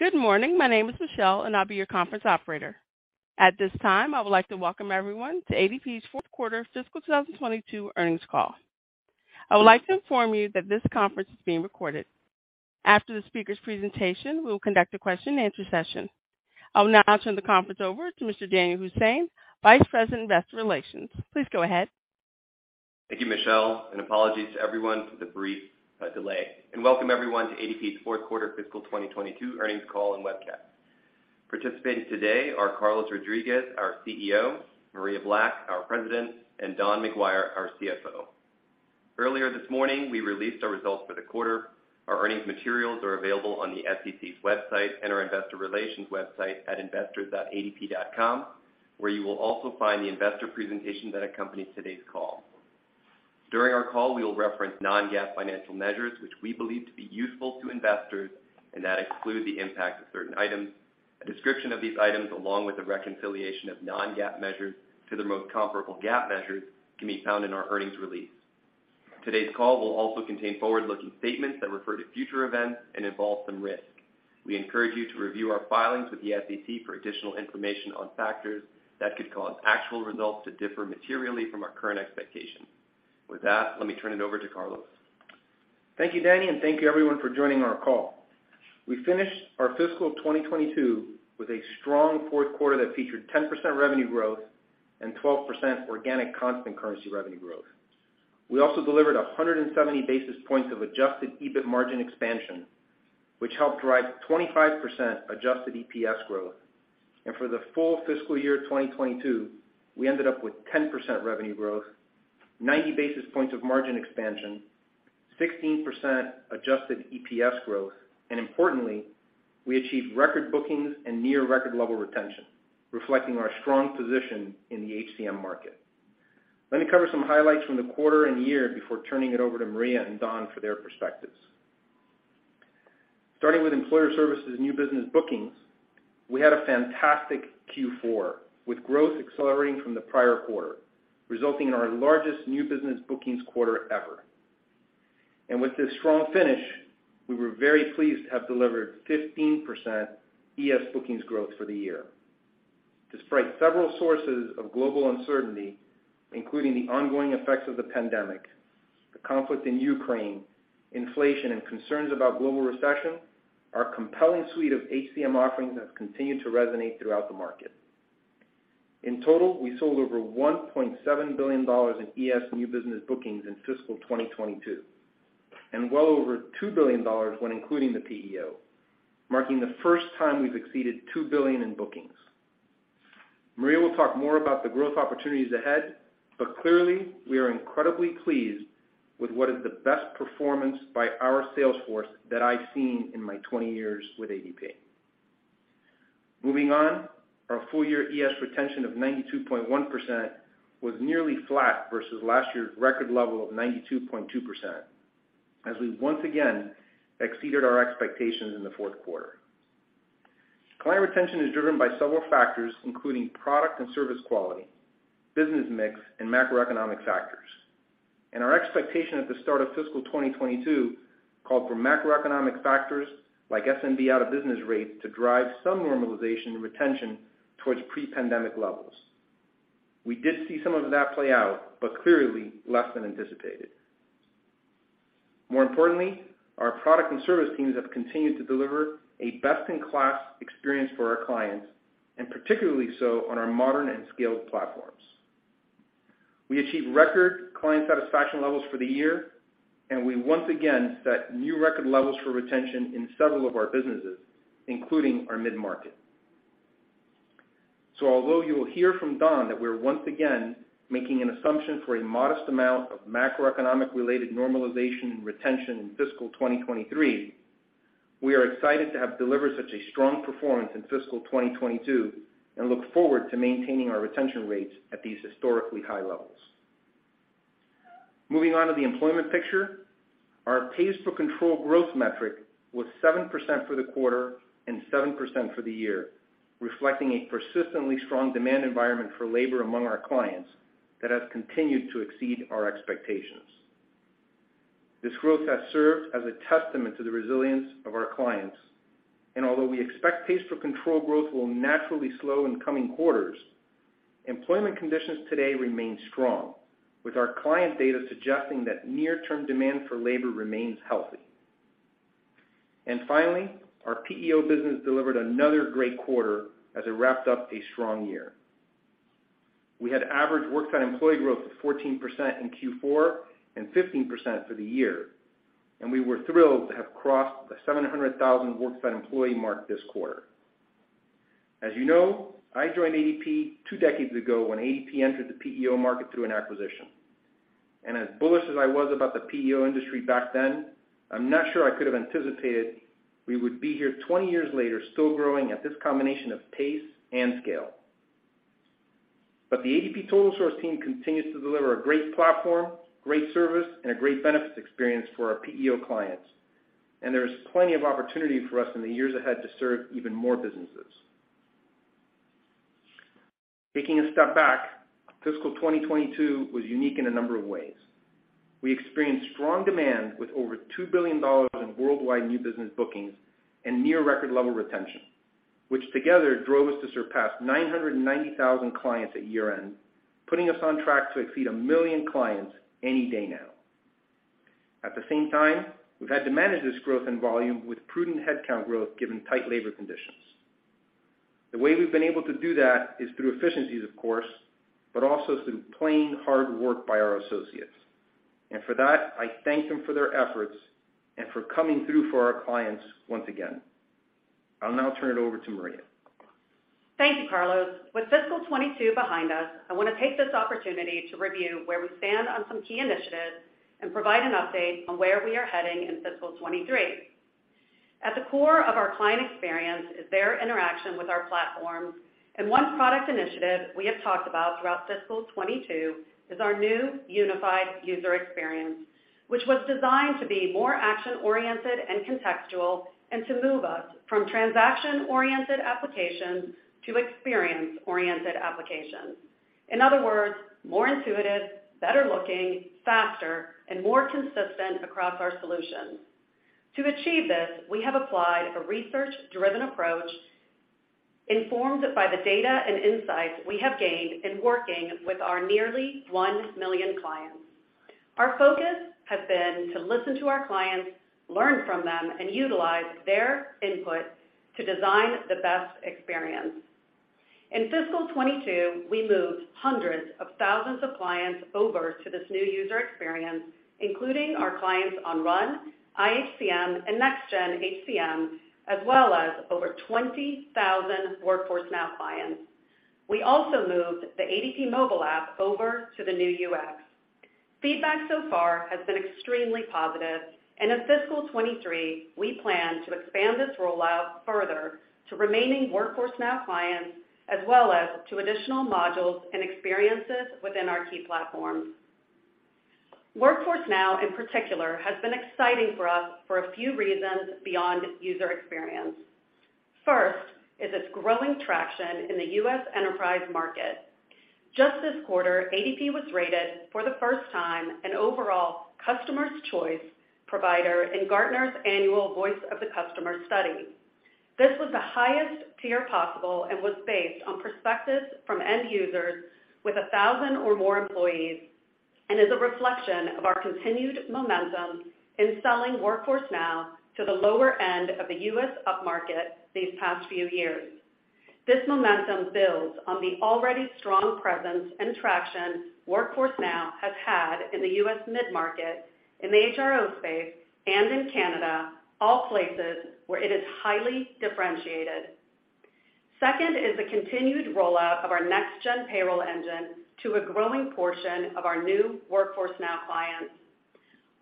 Good morning. My name is Michelle, and I'll be your conference operator. At this time, I would like to welcome everyone to ADP's fourth quarter fiscal 2022 earnings call. I would like to inform you that this conference is being recorded. After the speaker's presentation, we will conduct a question-and-answer session. I will now turn the conference over to Mr. Danyal Hussain, Vice President, Investor Relations. Please go ahead. Thank you, Michelle, and apologies to everyone for the brief delay. Welcome everyone to ADP's fourth quarter fiscal 2022 earnings call and webcast. Participating today are Carlos Rodriguez, our CEO, Maria Black, our President, and Don McGuire, our CFO. Earlier this morning, we released our results for the quarter. Our earnings materials are available on the SEC's website and our Investor Relations website at investors.adp.com, where you will also find the investor presentation that accompanies today's call. During our call, we will reference non-GAAP financial measures, which we believe to be useful to investors and that exclude the impact of certain items. A description of these items, along with the reconciliation of non-GAAP measures to the most comparable GAAP measures, can be found in our earnings release. Today's call will also contain forward-looking statements that refer to future events and involve some risks. We encourage you to review our filings with the SEC for additional information on factors that could cause actual results to differ materially from our current expectations. With that, let me turn it over to Carlos. Thank you, Danny, and thank you everyone for joining our call. We finished our fiscal 2022 with a strong fourth quarter that featured 10% revenue growth and 12% organic constant currency revenue growth. We also delivered 170 basis points of Adjusted EBIT margin expansion, which helped drive 25% Adjusted EPS growth. For the full fiscal year of 2022, we ended up with 10% revenue growth, 90 basis points of margin expansion, 16% Adjusted EPS growth, and importantly, we achieved record bookings and near record level retention, reflecting our strong position in the HCM market. Let me cover some highlights from the quarter and year before turning it over to Maria and Don for their perspectives. Starting with Employer Services new business bookings, we had a fantastic Q4, with growth accelerating from the prior quarter, resulting in our largest new business bookings quarter ever. With this strong finish, we were very pleased to have delivered 15% ES bookings growth for the year. Despite several sources of global uncertainty, including the ongoing effects of the pandemic, the conflict in Ukraine, inflation and concerns about global recession, our compelling suite of HCM offerings have continued to resonate throughout the market. In total, we sold over $1.7 billion in ES new business bookings in fiscal 2022, and well over $2 billion when including the PEO, marking the first time we've exceeded $2 billion in bookings. Maria will talk more about the growth opportunities ahead, but clearly, we are incredibly pleased with what is the best performance by our sales force that I've seen in my 20 years with ADP. Moving on, our full year ES retention of 92.1% was nearly flat versus last year's record level of 92.2%, as we once again exceeded our expectations in the fourth quarter. Client retention is driven by several factors, including product and service quality, business mix, and macroeconomic factors. Our expectation at the start of fiscal 2022 called for macroeconomic factors like SMB out-of-business rates to drive some normalization retention towards pre-pandemic levels. We did see some of that play out, but clearly less than anticipated. More importantly, our product and service teams have continued to deliver a best-in-class experience for our clients, and particularly so on our modern and scaled platforms. We achieved record client satisfaction levels for the year, and we once again set new record levels for retention in several of our businesses, including our mid-market. Although you will hear from Don that we're once again making an assumption for a modest amount of macroeconomic-related normalization and retention in fiscal 2023, we are excited to have delivered such a strong performance in fiscal 2022 and look forward to maintaining our retention rates at these historically high levels. Moving on to the employment picture. Our pays per control growth metric was 7% for the quarter and 7% for the year, reflecting a persistently strong demand environment for labor among our clients that has continued to exceed our expectations. This growth has served as a testament to the resilience of our clients. Although we expect pays per control growth will naturally slow in coming quarters, employment conditions today remain strong, with our client data suggesting that near-term demand for labor remains healthy. Finally, our PEO business delivered another great quarter as it wrapped up a strong year. We had average worksite employee growth of 14% in Q4 and 15% for the year, and we were thrilled to have crossed the 700,000 worksite employee mark this quarter. As you know, I joined ADP two decades ago when ADP entered the PEO market through an acquisition. As bullish as I was about the PEO industry back then, I'm not sure I could have anticipated we would be here 20 years later still growing at this combination of pace and scale. The ADP TotalSource team continues to deliver a great platform, great service, and a great benefits experience for our PEO clients, and there is plenty of opportunity for us in the years ahead to serve even more businesses. Taking a step back, fiscal 2022 was unique in a number of ways. We experienced strong demand with over $2 billion in worldwide new business bookings and near record level retention, which together drove us to surpass 990,000 clients at year-end, putting us on track to exceed 1 million clients any day now. At the same time, we've had to manage this growth in volume with prudent headcount growth given tight labor conditions. The way we've been able to do that is through efficiencies of course, but also through plain hard work by our associates. For that, I thank them for their efforts and for coming through for our clients once again. I'll now turn it over to Maria. Thank you, Carlos. With fiscal 2022 behind us, I want to take this opportunity to review where we stand on some key initiatives and provide an update on where we are heading in fiscal 2023. At the core of our client experience is their interaction with our platforms, and one product initiative we have talked about throughout fiscal 2022 is our new unified user experience, which was designed to be more action-oriented and contextual, and to move us from transaction-oriented applications to experience-oriented applications. In other words, more intuitive, better looking, faster, and more consistent across our solutions. To achieve this, we have applied a research-driven approach informed by the data and insights we have gained in working with our nearly 1 million clients. Our focus has been to listen to our clients, learn from them, and utilize their input to design the best experience. In fiscal 2022, we moved hundreds of thousands of clients over to this new user experience, including our clients on RUN, iHCM, and Next Gen HCM, as well as over 20,000 Workforce Now clients. We also moved the ADP mobile app over to the new UX. Feedback so far has been extremely positive, and in fiscal 2023, we plan to expand this rollout further to remaining Workforce Now clients, as well as to additional modules and experiences within our key platforms. Workforce Now in particular has been exciting for us for a few reasons beyond user experience. First is its growing traction in the U.S. enterprise market. Just this quarter, ADP was rated for the first time an overall customer's choice provider in Gartner's annual Voice of the Customer study. This was the highest tier possible and was based on perspectives from end users with 1,000 or more employees, and is a reflection of our continued momentum in selling Workforce Now to the lower end of the U.S. upmarket these past few years. This momentum builds on the already strong presence and traction Workforce Now has had in the U.S. mid-market, in the HRO space, and in Canada, all places where it is highly differentiated. Second is the continued rollout of our next-gen payroll engine to a growing portion of our new Workforce Now clients.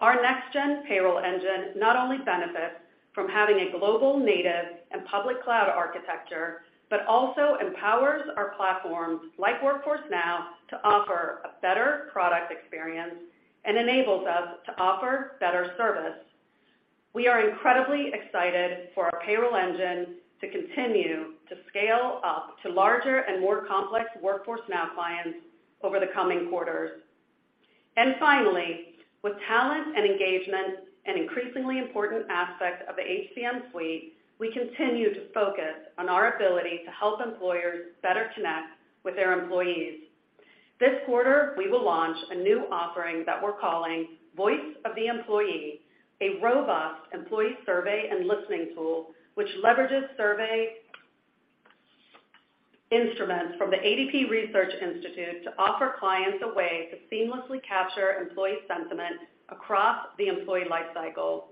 Our next-gen payroll engine not only benefits from having a global native and public cloud architecture, but also empowers our platforms like Workforce Now to offer a better product experience and enables us to offer better service. We are incredibly excited for our payroll engine to continue to scale up to larger and more complex Workforce Now clients over the coming quarters. Finally, with talent and engagement an increasingly important aspect of the HCM suite, we continue to focus on our ability to help employers better connect with their employees. This quarter, we will launch a new offering that we're calling Voice of the Employee, a robust employee survey and listening tool which leverages survey instruments from the ADP Research Institute to offer clients a way to seamlessly capture employee sentiment across the employee life cycle.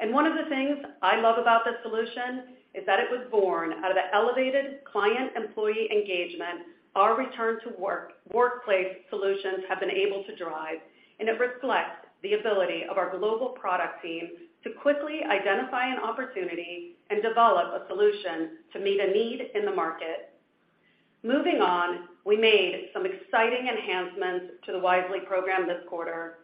One of the things I love about this solution is that it was born out of the elevated client-employee engagement our return to work workplace solutions have been able to drive, and it reflects the ability of our global product team to quickly identify an opportunity and develop a solution to meet a need in the market. Moving on, we made some exciting enhancements to the Wisely program this quarter.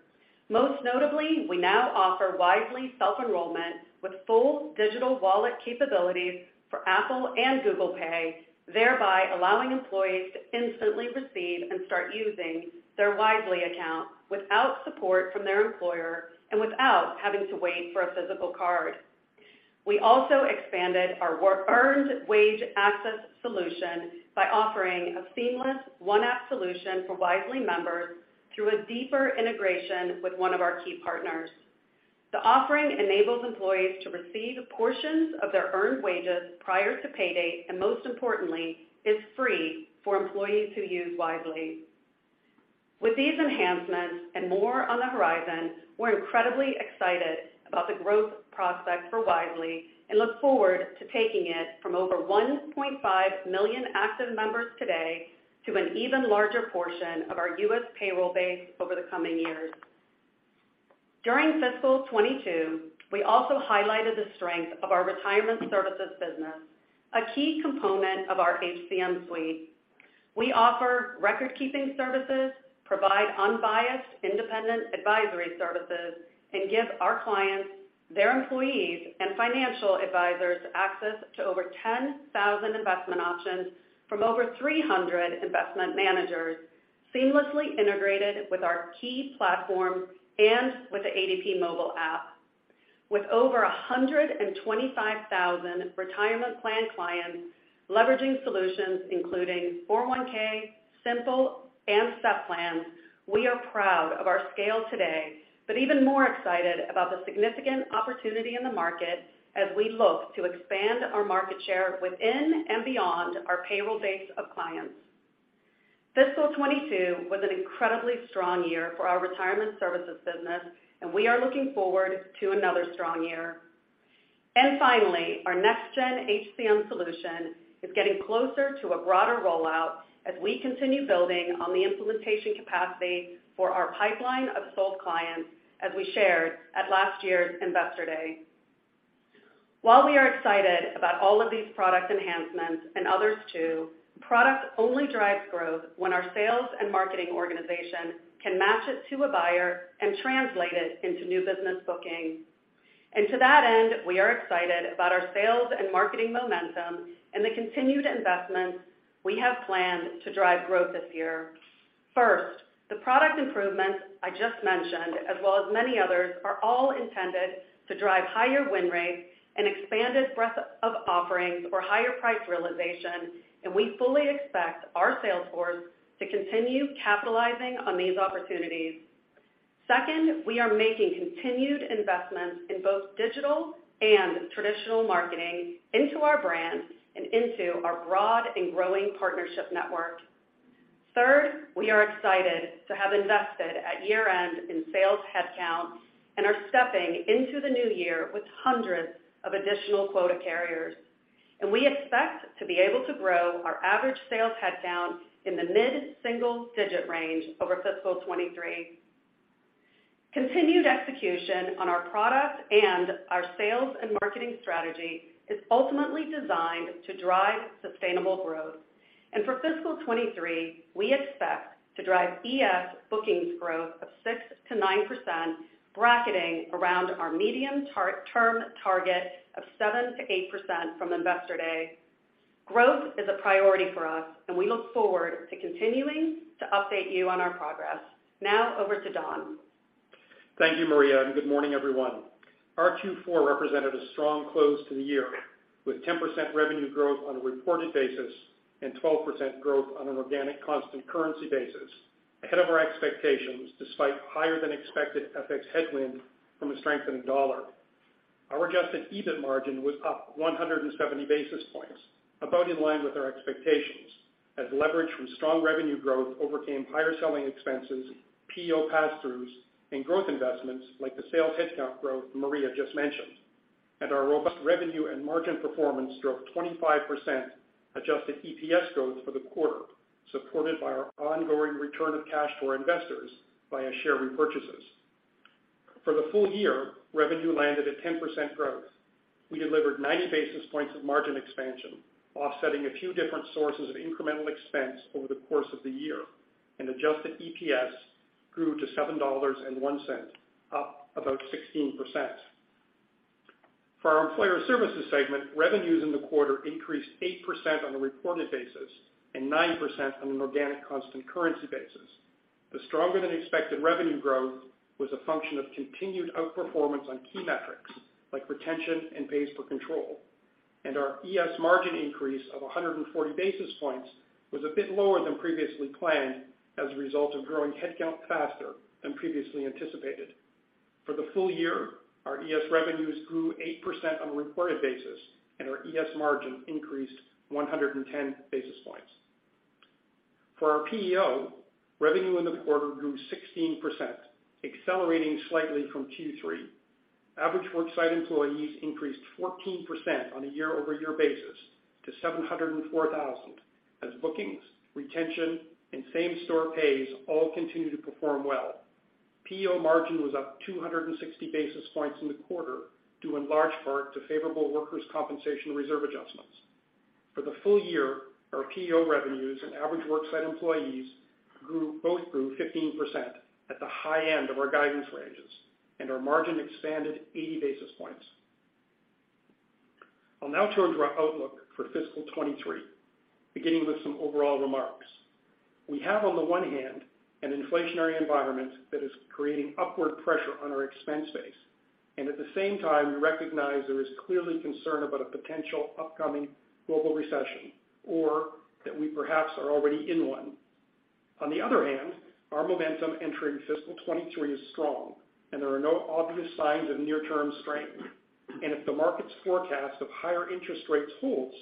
Most notably, we now offer Wisely self-enrollment with full digital wallet capabilities for Apple and Google Pay, thereby allowing employees to instantly receive and start using their Wisely account without support from their employer and without having to wait for a physical card. We also expanded our earned wage access solution by offering a seamless one-app solution for Wisely members through a deeper integration with one of our key partners. The offering enables employees to receive portions of their earned wages prior to pay date, and most importantly, is free for employees who use Wisely. With these enhancements and more on the horizon, we're incredibly excited about the growth prospect for Wisely and look forward to taking it from over 1.5 million active members today to an even larger portion of our U.S. payroll base over the coming years. During fiscal 2022, we also highlighted the strength of our Retirement Services business, a key component of our HCM suite. We offer record-keeping services, provide unbiased independent advisory services, and give our clients, their employees, and financial advisors access to over 10,000 investment options from over 300 investment managers seamlessly integrated with our key platform and with the ADP mobile app. With over 125,000 retirement plan clients leveraging solutions including 401(k), SIMPLE, and SEP plans, we are proud of our scale today, but even more excited about the significant opportunity in the market as we look to expand our market share within and beyond our payroll base of clients. Fiscal 2022 was an incredibly strong year for our Retirement Services business, and we are looking forward to another strong year. Finally, our Next Gen HCM solution is getting closer to a broader rollout as we continue building on the implementation capacity for our pipeline of sold clients, as we shared at last year's Investor Day. While we are excited about all of these product enhancements and others too, product only drives growth when our sales and marketing organization can match it to a buyer and translate it into new business bookings. To that end, we are excited about our sales and marketing momentum and the continued investments we have planned to drive growth this year. First, the product improvements I just mentioned, as well as many others, are all intended to drive higher win rates and expanded breadth of offerings or higher price realization, and we fully expect our sales force to continue capitalizing on these opportunities. Second, we are making continued investments in both digital and traditional marketing into our brand and into our broad and growing partnership network. Third, we are excited to have invested at year-end in sales headcount and are stepping into the new year with hundreds of additional quota carriers. We expect to be able to grow our average sales headcount in the mid-single-digit range over fiscal 2023. Continued execution on our product and our sales and marketing strategy is ultimately designed to drive sustainable growth. For fiscal 2023, we expect to drive ES bookings growth of 6%-9%, bracketing around our medium-term target of 7%-8% from Investor Day. Growth is a priority for us, and we look forward to continuing to update you on our progress. Now over to Don. Thank you, Maria, and good morning, everyone. Our Q4 represented a strong close to the year with 10% revenue growth on a reported basis and 12% growth on an organic constant currency basis, ahead of our expectations despite higher-than-expected FX headwind from a strengthening dollar. Our Adjusted EBIT margin was up 170 basis points, about in line with our expectations as leverage from strong revenue growth overcame higher selling expenses, PEO pass-throughs, and growth investments like the sales headcount growth Maria just mentioned. Our robust revenue and margin performance drove 25% Adjusted EPS growth for the quarter, supported by our ongoing return of cash to our investors via share repurchases. For the full year, revenue landed at 10% growth. We delivered 90 basis points of margin expansion, offsetting a few different sources of incremental expense over the course of the year, and Adjusted EPS grew to $7.01, up about 16%. For our Employer Services segment, revenues in the quarter increased 8% on a reported basis and 9% on an organic constant currency basis. The stronger-than-expected revenue growth was a function of continued outperformance on key metrics like retention and pays per control. Our ES margin increase of 140 basis points was a bit lower than previously planned as a result of growing headcount faster than previously anticipated. For the full year, our ES revenues grew 8% on a reported basis, and our ES margin increased 110 basis points. For our PEO, revenue in the quarter grew 16%, accelerating slightly from Q3. Average worksite employees increased 14% on a year-over-year basis to 704,000 as bookings, retention, and same-store pays all continued to perform well. PEO margin was up 260 basis points in the quarter due in large part to favorable workers' compensation reserve adjustments. For the full year, our PEO revenues and average worksite employees both grew 15% at the high end of our guidance ranges, and our margin expanded 80 basis points. I'll now turn to our outlook for fiscal 2023, beginning with some overall remarks. We have, on the one hand, an inflationary environment that is creating upward pressure on our expense base. At the same time, we recognize there is clearly concern about a potential upcoming global recession or that we perhaps are already in one. On the other hand, our momentum entering fiscal 2023 is strong, and there are no obvious signs of near-term strength. If the market's forecast of higher interest rates holds,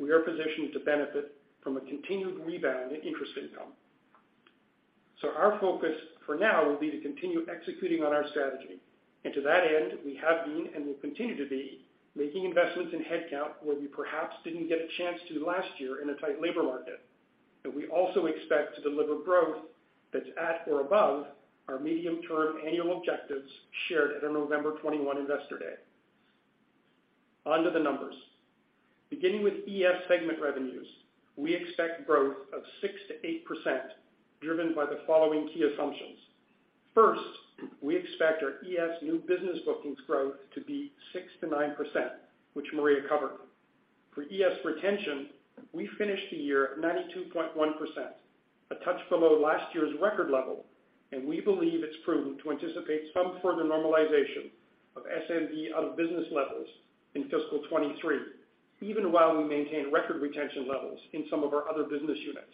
we are positioned to benefit from a continued rebound in interest income. Our focus for now will be to continue executing on our strategy. To that end, we have been and will continue to be making investments in headcount where we perhaps didn't get a chance to last year in a tight labor market. We also expect to deliver growth that's at or above our medium-term annual objectives shared at our November 2021 Investor Day. On to the numbers. Beginning with ES segment revenues, we expect growth of 6%-8% driven by the following key assumptions. First, we expect our ES new business bookings growth to be 6%-9%, which Maria covered. For ES retention, we finished the year at 92.1%, a touch below last year's record level, and we believe it's prudent to anticipate some further normalization of SMB out of business levels in fiscal 2023, even while we maintain record retention levels in some of our other business units.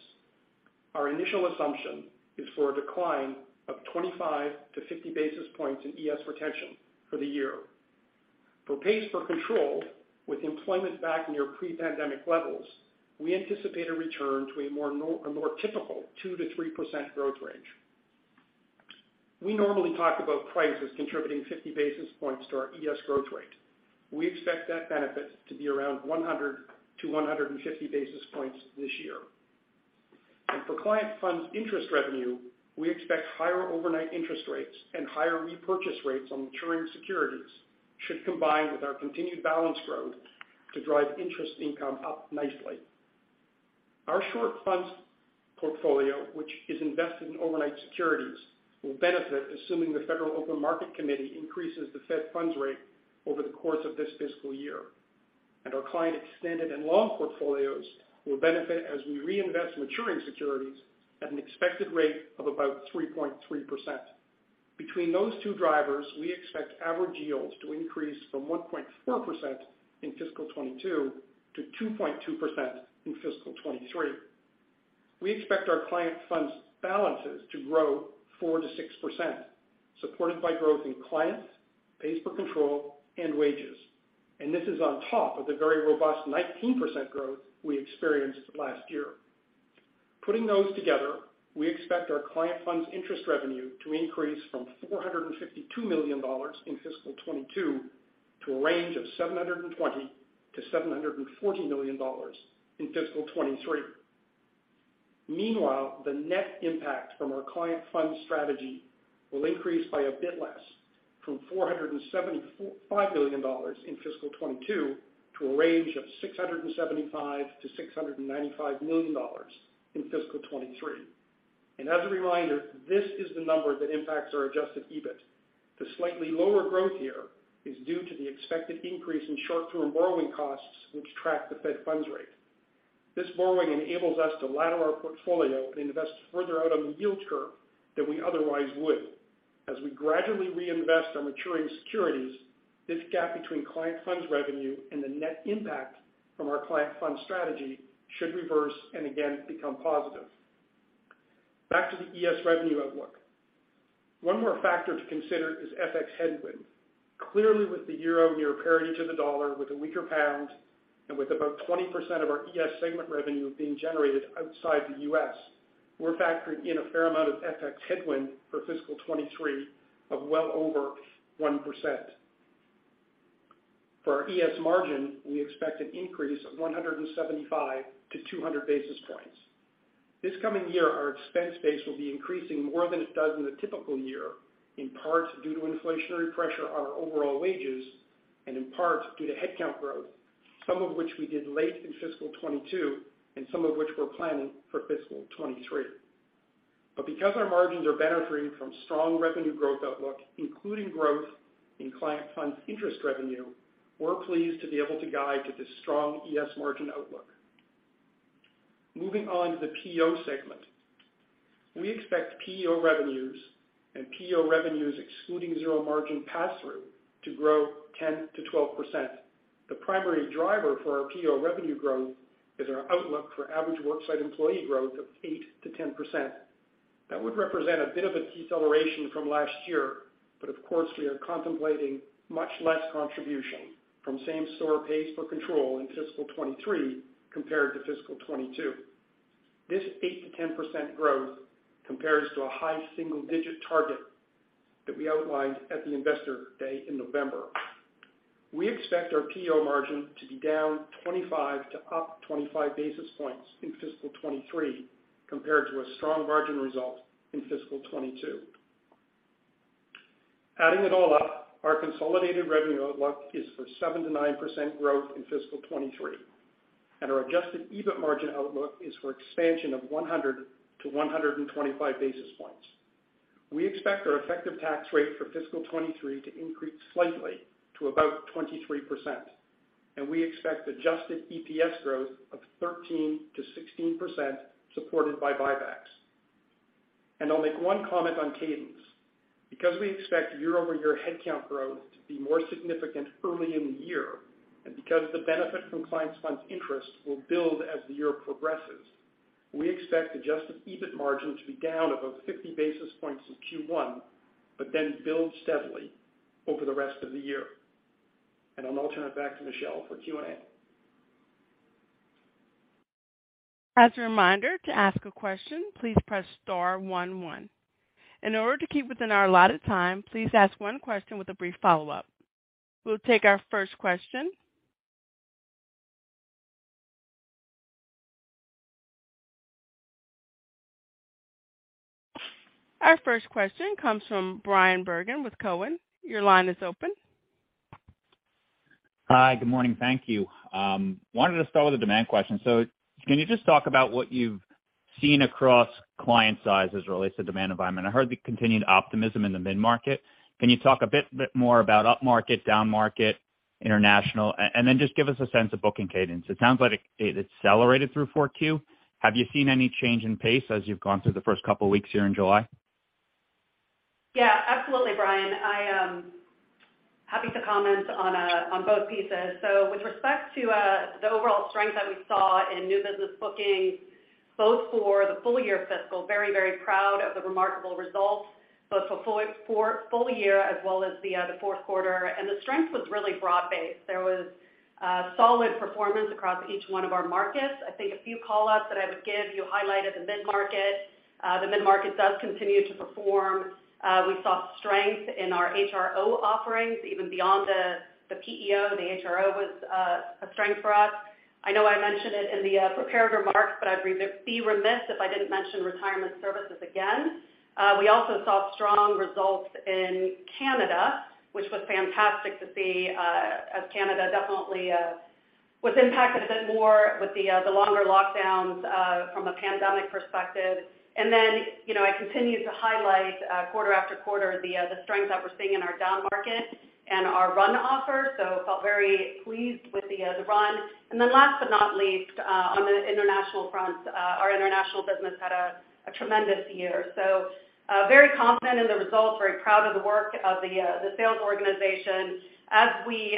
Our initial assumption is for a decline of 25 basis points-50 basis points in ES retention for the year. For pays per control, with employment back near pre-pandemic levels, we anticipate a return to a more typical 2%-3% growth range. We normally talk about price as contributing 50 basis points to our ES growth rate. We expect that benefit to be around 100 basis points-150 basis points this year. For client funds interest revenue, we expect higher overnight interest rates and higher repurchase rates on maturing securities should combine with our continued balance growth to drive interest income up nicely. Our short funds portfolio, which is invested in overnight securities, will benefit assuming the Federal Open Market Committee increases the Fed funds rate over the course of this fiscal year. Our client extended and long portfolios will benefit as we reinvest maturing securities at an expected rate of about 3.3%. Between those two drivers, we expect average yields to increase from 1.4% in fiscal 2022 to 2.2% in fiscal 2023. We expect our client funds balances to grow 4%-6%, supported by growth in clients, pays per control, and wages. This is on top of the very robust 19% growth we experienced last year. Putting those together, we expect our client funds interest revenue to increase from $452 million in fiscal 2022 to a range of $720 million-$740 million in fiscal 2023. Meanwhile, the net impact from our client fund strategy will increase by a bit less from $475 million in fiscal 2022 to a range of $675 million-$695 million in fiscal 2023. As a reminder, this is the number that impacts our Adjusted EBIT. The slightly lower growth here is due to the expected increase in short-term borrowing costs, which track the Fed funds rate. This borrowing enables us to ladder our portfolio and invest further out on the yield curve than we otherwise would. As we gradually reinvest our maturing securities, this gap between client funds revenue and the net impact from our client fund strategy should reverse and again become positive. Back to the ES revenue outlook. One more factor to consider is FX headwind. Clearly, with the euro near parity to the dollar, with a weaker pound, and with about 20% of our ES segment revenue being generated outside the U.S., we're factoring in a fair amount of FX headwind for fiscal 2023 of well over 1%. For our ES margin, we expect an increase of 175 basis points-200 basis points. This coming year, our expense base will be increasing more than it does in a typical year, in part due to inflationary pressure on our overall wages and in part due to headcount growth, some of which we did late in fiscal 2022 and some of which we're planning for fiscal 2023. Because our margins are benefiting from strong revenue growth outlook, including growth in client funds interest revenue, we're pleased to be able to guide to this strong ES margin outlook. Moving on to the PEO segment. We expect PEO revenues and PEO revenues excluding zero margin passthrough to grow 10%-12%. The primary driver for our PEO revenue growth is our outlook for average worksite employee growth of 8%-10%. That would represent a bit of a deceleration from last year, but of course, we are contemplating much less contribution from same store pays per control in fiscal 2023 compared to fiscal 2022. This 8%-10% growth compares to a high single-digit target that we outlined at the Investor Day in November. We expect our PEO margin to be down 25 basis points to up 25 basis points in fiscal 2023 compared to a strong margin result in fiscal 2022. Adding it all up, our consolidated revenue outlook is for 7%-9% growth in fiscal 2023, and our Adjusted EBIT margin outlook is for expansion of 100 basis points-125 basis points. We expect our effective tax rate for fiscal 2023 to increase slightly to about 23%, and we expect Adjusted EPS growth of 13%-16% supported by buybacks. I'll make one comment on cadence. Because we expect year-over-year headcount growth to be more significant early in the year, and because the benefit from client funds interest will build as the year progresses, we expect Adjusted EBIT margin to be down about 50 basis points in Q1, but then build steadily over the rest of the year. I'll now turn it back to Michelle for Q&A. As a reminder, to ask a question, please press star one one. In order to keep within our allotted time, please ask one question with a brief follow-up. We'll take our first question. Our first question comes from Bryan Bergin with Cowen. Your line is open. Hi. Good morning. Thank you. Wanted to start with a demand question. Can you just talk about what you've seen across client sizes related to demand environment? I heard the continued optimism in the mid-market. Can you talk a bit more about upmarket, downmarket, international, and then just give us a sense of booking cadence? It sounds like it accelerated through 4Q. Have you seen any change in pace as you've gone through the first couple weeks here in July? Yeah, absolutely, Bryan. I'm happy to comment on both pieces. With respect to the overall strength that we saw in new business bookings, both for the full year fiscal, very proud of the remarkable results both for full year as well as the fourth quarter. The strength was really broad-based. There was solid performance across each one of our markets. I think a few call-outs that I would give. You highlighted the mid-market. The mid-market does continue to perform. We saw strength in our HRO offerings even beyond the PEO. The HRO was a strength for us. I know I mentioned it in the prepared remarks, but I'd be remiss if I didn't mention Retirement Services again. We also saw strong results in Canada, which was fantastic to see, as Canada definitely was impacted a bit more with the longer lockdowns from a pandemic perspective. You know, I continue to highlight quarter after quarter the strength that we're seeing in our downmarket and our RUN offer. Felt very pleased with the RUN. Last but not least, on the international front, our international business had a tremendous year. Very confident in the results, very proud of the work of the sales organization. As we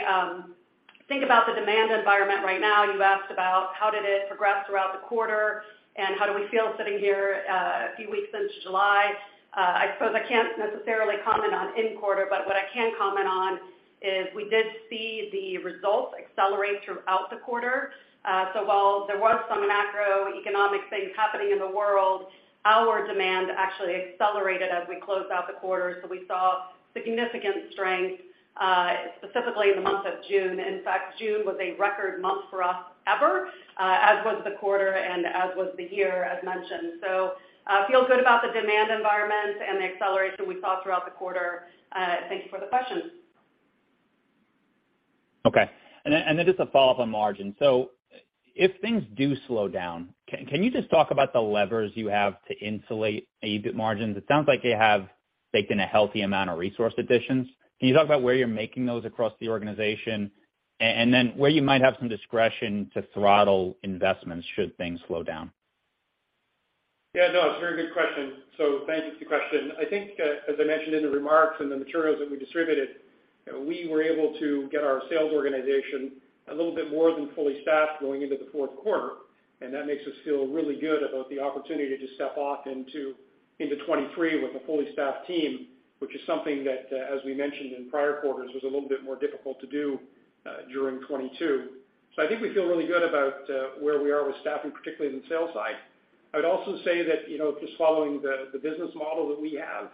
think about the demand environment right now, you asked about how did it progress throughout the quarter, and how do we feel sitting here a few weeks into July. I suppose I can't necessarily comment on in quarter, but what I can comment on is we did see the results accelerate throughout the quarter. While there was some macroeconomic things happening in the world, our demand actually accelerated as we closed out the quarter. We saw significant strength, specifically in the month of June. In fact, June was a record month for us ever, as was the quarter and as was the year, as mentioned. Feel good about the demand environment and the acceleration we saw throughout the quarter. Thank you for the question. Okay. Then just a follow-up on margin. If things do slow down, can you just talk about the levers you have to insulate EBIT margins? It sounds like you have baked in a healthy amount of resource additions. Can you talk about where you're making those across the organization and then where you might have some discretion to throttle investments should things slow down? Yeah, no, it's a very good question. Thank you for the question. I think, as I mentioned in the remarks and the materials that we distributed, you know, we were able to get our sales organization a little bit more than fully staffed going into the fourth quarter, and that makes us feel really good about the opportunity to step off into 2023 with a fully staffed team, which is something that, as we mentioned in prior quarters, was a little bit more difficult to do, during 2022. I think we feel really good about, where we are with staffing, particularly in the sales side. I would also say that just following the business model that we have,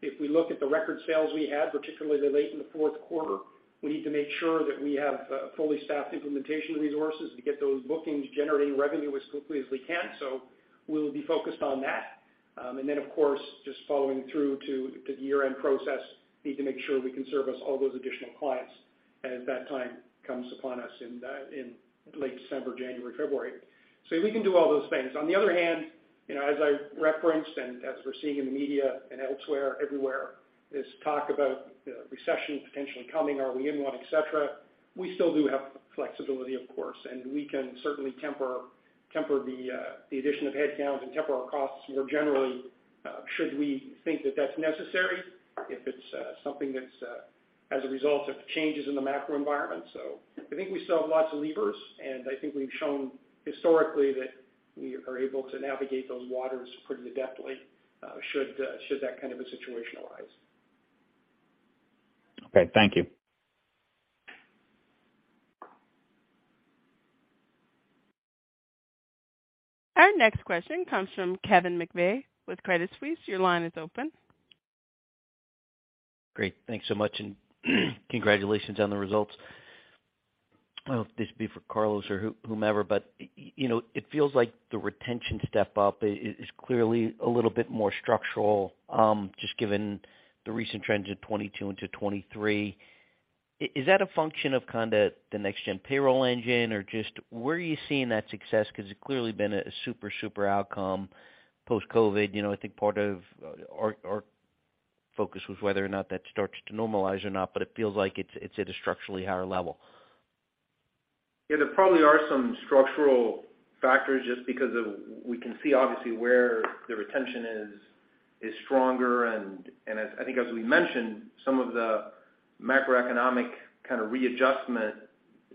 if we look at the record sales we had, particularly late in the fourth quarter, we need to make sure that we have fully staffed implementation resources to get those bookings generating revenue as quickly as we can. We'll be focused on that. Of course, just following through to the year-end process, need to make sure we can service all those additional clients as that time comes upon us in late December, January, February. We can do all those things. On the other hand, as I referenced and as we're seeing in the media and elsewhere, everywhere, is talk about recession potentially coming, are we in one, et cetera. We still do have flexibility, of course, and we can certainly temper the addition of headcounts and temper our costs more generally, should we think that that's necessary if it's something that's as a result of changes in the macro environment. I think we still have lots of levers, and I think we've shown historically that we are able to navigate those waters pretty adeptly, should that kind of a situation arise. Okay. Thank you. Our next question comes from Kevin McVeigh with Credit Suisse. Your line is open. Great. Thanks so much and congratulations on the results. I don't know if this would be for Carlos or whomever, you know, it feels like the retention step up is clearly a little bit more structural, just given the recent trends in 2022 into 2023. Is that a function of kind of the next-gen payroll engine, or just where are you seeing that success? 'Cause it's clearly been a super outcome post-COVID. You know, I think part of our focus was whether or not that starts to normalize or not, but it feels like it's at a structurally higher level. Yeah, there probably are some structural factors just because we can see obviously where the retention is stronger. As I think as we mentioned, some of the macroeconomic kind of readjustment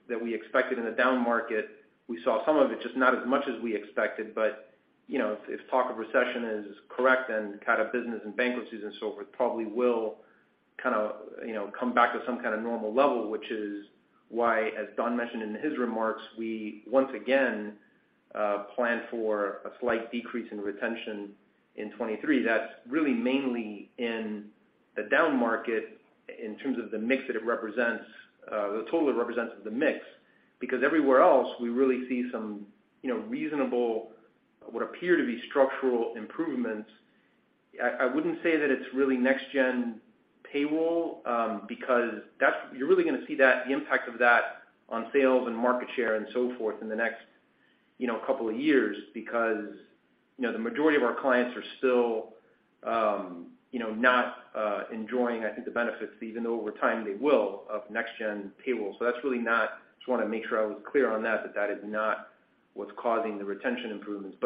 that we expected in the downmarket, we saw some of it, just not as much as we expected. You know, if talk of recession is correct and kind of business and bankruptcies and so forth, probably will kind of, you know, come back to some kind of normal level, which is why, as Don mentioned in his remarks, we once again plan for a slight decrease in retention in 2023. That's really mainly in the downmarket in terms of the mix that it represents, the total it represents of the mix, because everywhere else, we really see some, you know, reasonable, what appear to be structural improvements. I wouldn't say that it's really next-gen payroll, because that's. You're really gonna see that, the impact of that on sales and market share and so forth in the next, you know, couple of years because, you know, the majority of our clients are still, you know, not enjoying, I think the benefits, even though over time they will, of next-gen payroll. That's really not. Just wanna make sure I was clear on that that is not what's causing the retention improvements.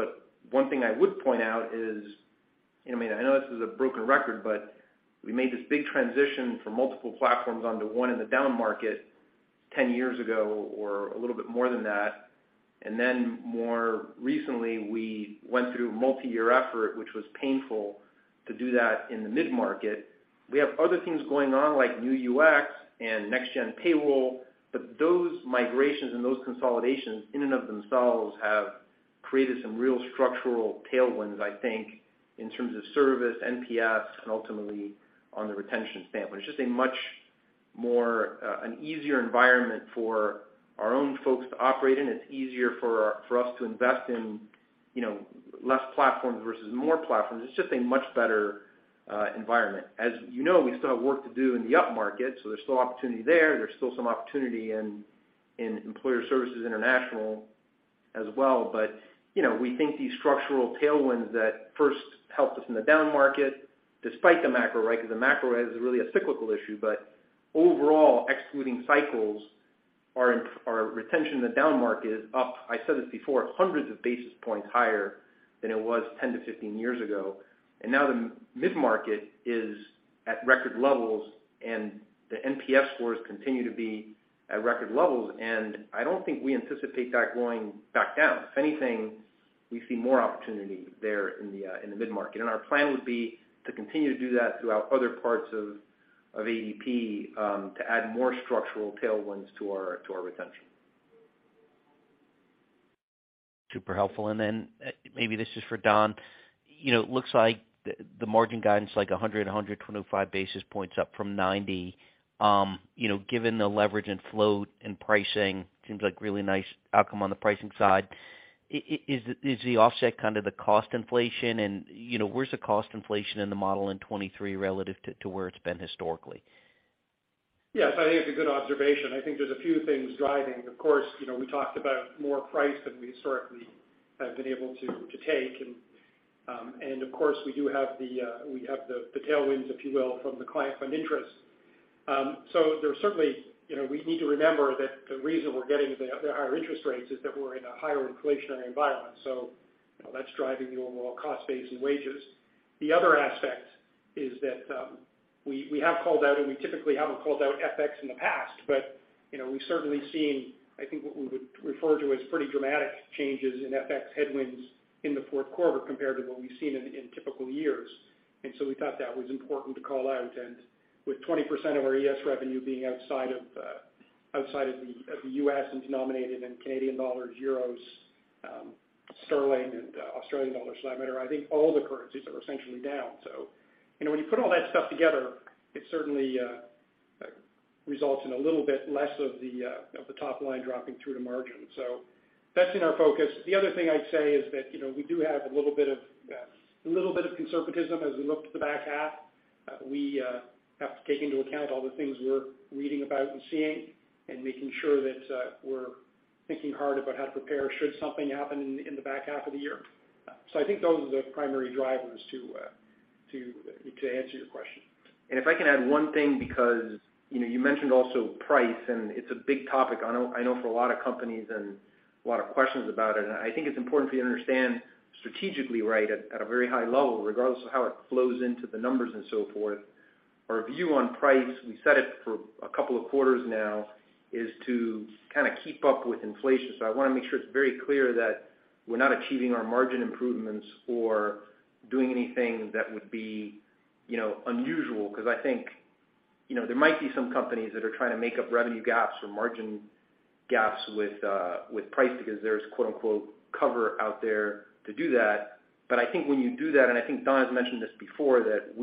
One thing I would point out is, and I mean, I know this is a broken record, but we made this big transition from multiple platforms onto one in the downmarket 10 years ago, or a little bit more than that. Then more recently, we went through a multiyear effort, which was painful to do that in the mid-market. We have other things going on like new UX and next-gen payroll, but those migrations and those consolidations in and of themselves have created some real structural tailwinds, I think, in terms of service, NPS, and ultimately on the retention standpoint. It's just a much more, an easier environment for our own folks to operate in. It's easier for us to invest in, you know, less platforms versus more platforms. It's just a much better, environment. As you know, we still have work to do in the upmarket, so there's still opportunity there. There's still some opportunity in Employer Services International as well. You know, we think these structural tailwinds that first helped us in the downmarket despite the macro, right? Because the macro is really a cyclical issue. Overall, excluding cycles, our retention in the downmarket is up, I said this before, hundreds of basis points higher than it was 10 years-15 years ago. Now the mid-market is at record levels, and the NPS scores continue to be at record levels. I don't think we anticipate that going back down. If anything, we see more opportunity there in the mid-market. Our plan would be to continue to do that throughout other parts of ADP, to add more structural tailwinds to our retention. Super helpful. Maybe this is for Don. You know, it looks like the margin guidance, like 125 basis points up from 90 basis points. You know, given the leverage and float and pricing, seems like really nice outcome on the pricing side. Is the offset kind of the cost inflation? You know, where's the cost inflation in the model in 2023 relative to where it's been historically? Yes, I think it's a good observation. I think there's a few things driving. Of course, you know, we talked about more price than we historically have been able to to take. Of course we do have the tailwinds, if you will, from the client fund interest. There's certainly, you know, we need to remember that the reason we're getting the higher interest rates is that we're in a higher inflationary environment, so, you know, that's driving the overall cost base and wages. The other aspect is that we have called out, and we typically haven't called out FX in the past, but, you know, we've certainly seen, I think, what we would refer to as pretty dramatic changes in FX headwinds in the fourth quarter compared to what we've seen in typical years. We thought that was important to call out. With 20% of our ES revenue being outside of the U.S. and denominated in Canadian dollars, euros, sterling, and Australian dollars for that matter, I think all the currencies are essentially down. You know, when you put all that stuff together, it certainly results in a little bit less of the top line dropping through to margin. That's in our focus. The other thing I'd say is that, you know, we do have a little bit of conservatism as we look to the back half. We have to take into account all the things we're reading about and seeing, and making sure that we're thinking hard about how to prepare should something happen in the back half of the year. I think those are the primary drivers to answer your question. If I can add one thing because, you know, you mentioned also price, and it's a big topic I know for a lot of companies and a lot of questions about it. I think it's important for you to understand strategically, right, at a very high level, regardless of how it flows into the numbers and so forth. Our view on price, we said it for a couple of quarters now, is to kinda keep up with inflation. I wanna make sure it's very clear that we're not achieving our margin improvements or doing anything that would be, you know, unusual. 'Cause I think, you know, there might be some companies that are trying to make up revenue gaps or margin gaps with price because there's, quote unquote, "cover" out there to do that. I think when you do that, and I think Don has mentioned this before, that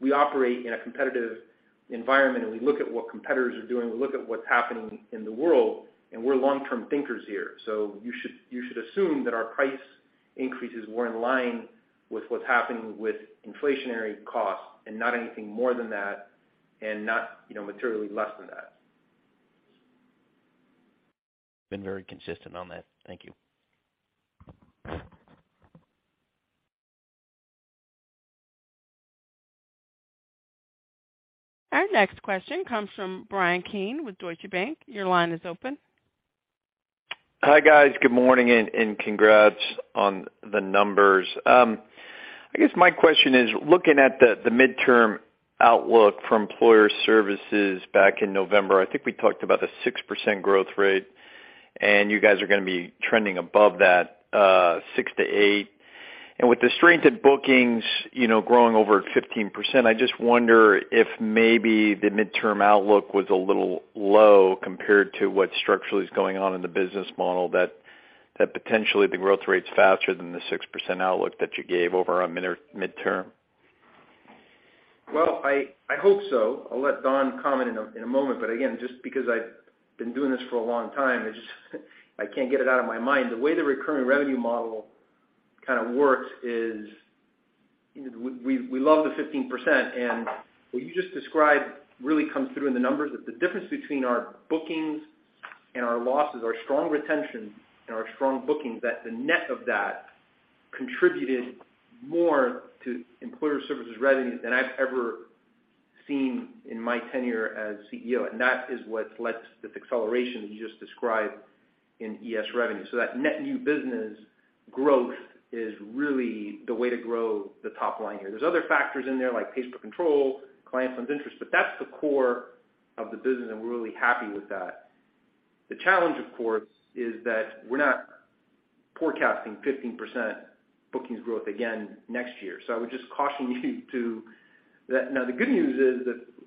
we operate in a competitive environment, and we look at what competitors are doing, we look at what's happening in the world, and we're long-term thinkers here. You should assume that our price increases were in line with what's happening with inflationary costs and not anything more than that and not, you know, materially less than that. Been very consistent on that. Thank you. Our next question comes from Bryan Keane with Deutsche Bank. Your line is open. Hi, guys. Good morning and congrats on the numbers. I guess my question is looking at the mid-term outlook for Employer Services back in November. I think we talked about a 6% growth rate, and you guys are gonna be trending above that, 6%-8%. With the strength in bookings, you know, growing over 15%, I just wonder if maybe the mid-term outlook was a little low compared to what structurally is going on in the business model that potentially the growth rate's faster than the 6% outlook that you gave over on mid-term. Well, I hope so. I'll let Don comment in a moment, but again, just because I've been doing this for a long time, it's just I can't get it out of my mind. The way the recurring revenue model kind of works is we love the 15%, and what you just described really comes through in the numbers, that the difference between our bookings and our losses, our strong retention and our strong bookings, that the net of that contributed more to Employer Services revenue than I've ever seen in my tenure as CEO. That is what led to the acceleration that you just described in ES revenue. That net new business growth is really the way to grow the top line here. There's other factors in there like pays per control, client funds interest, but that's the core of the business, and we're really happy with that. The challenge, of course, is that we're not forecasting 15% bookings growth again next year. I would just caution you. Now, the good news is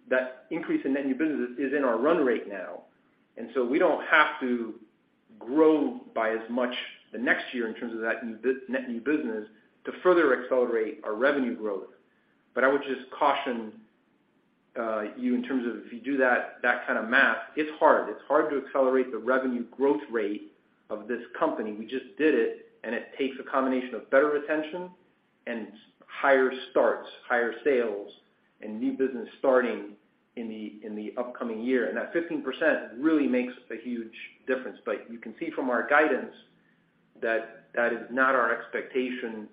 that increase in net new business is in our run rate now, and so we don't have to grow by as much the next year in terms of that net new business to further accelerate our revenue growth. I would just caution you in terms of if you do that kind of math, it's hard. It's hard to accelerate the revenue growth rate of this company. We just did it, and it takes a combination of better retention and higher starts, higher sales, and new business starting in the upcoming year. That 15% really makes a huge difference. You can see from our guidance that that is not our expectation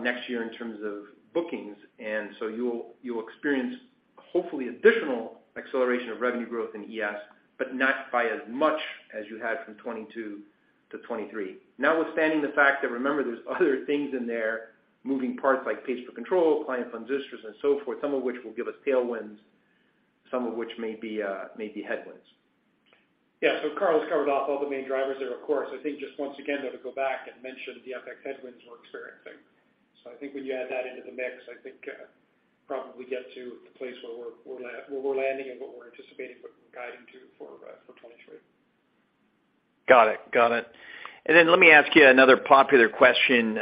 next year in terms of bookings. You'll experience, hopefully, additional acceleration of revenue growth in ES, but not by as much as you had from 2022 to 2023. Notwithstanding the fact that remember, there's other things in there, moving parts like pays per control, client funds interest, and so forth, some of which will give us tailwinds, some of which may be headwinds. Yeah. Carlos covered off all the main drivers there, of course. I think just once again, though, to go back and mention the FX headwinds we're experiencing. I think when you add that into the mix, I think probably get to the place where we're landing and what we're anticipating, what we're guiding to for 2023. Got it. Then let me ask you another popular question,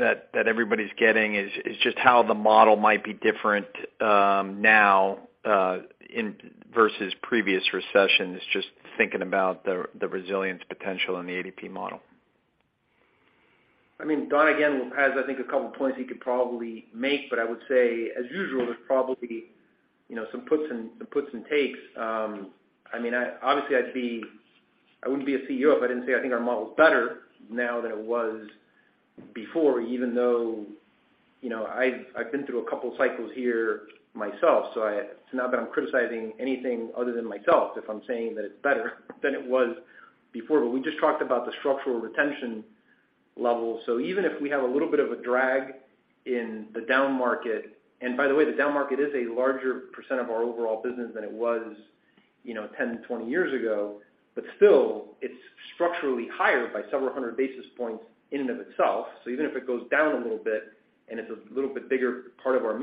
that everybody's getting is just how the model might be different, now, in versus previous recessions, just thinking about the resilience potential in the ADP model. I mean, Don, again, has, I think, a couple of points he could probably make, but I would say, as usual, there's probably, you know, some puts and takes. I mean, obviously I wouldn't be a CEO if I didn't say I think our model is better now than it was before, even though, you know, I've been through a couple of cycles here myself, so it's not that I'm criticizing anything other than myself if I'm saying that it's better than it was before. We just talked about the structural retention level. Even if we have a little bit of a drag in the downmarket, and by the way, the downmarket is a larger percent of our overall business than it was, you know, 10 years, 20 years ago. Still, it's structurally higher by several hundred basis points in and of itself. Even if it goes down a little bit and it's a little bit bigger part of our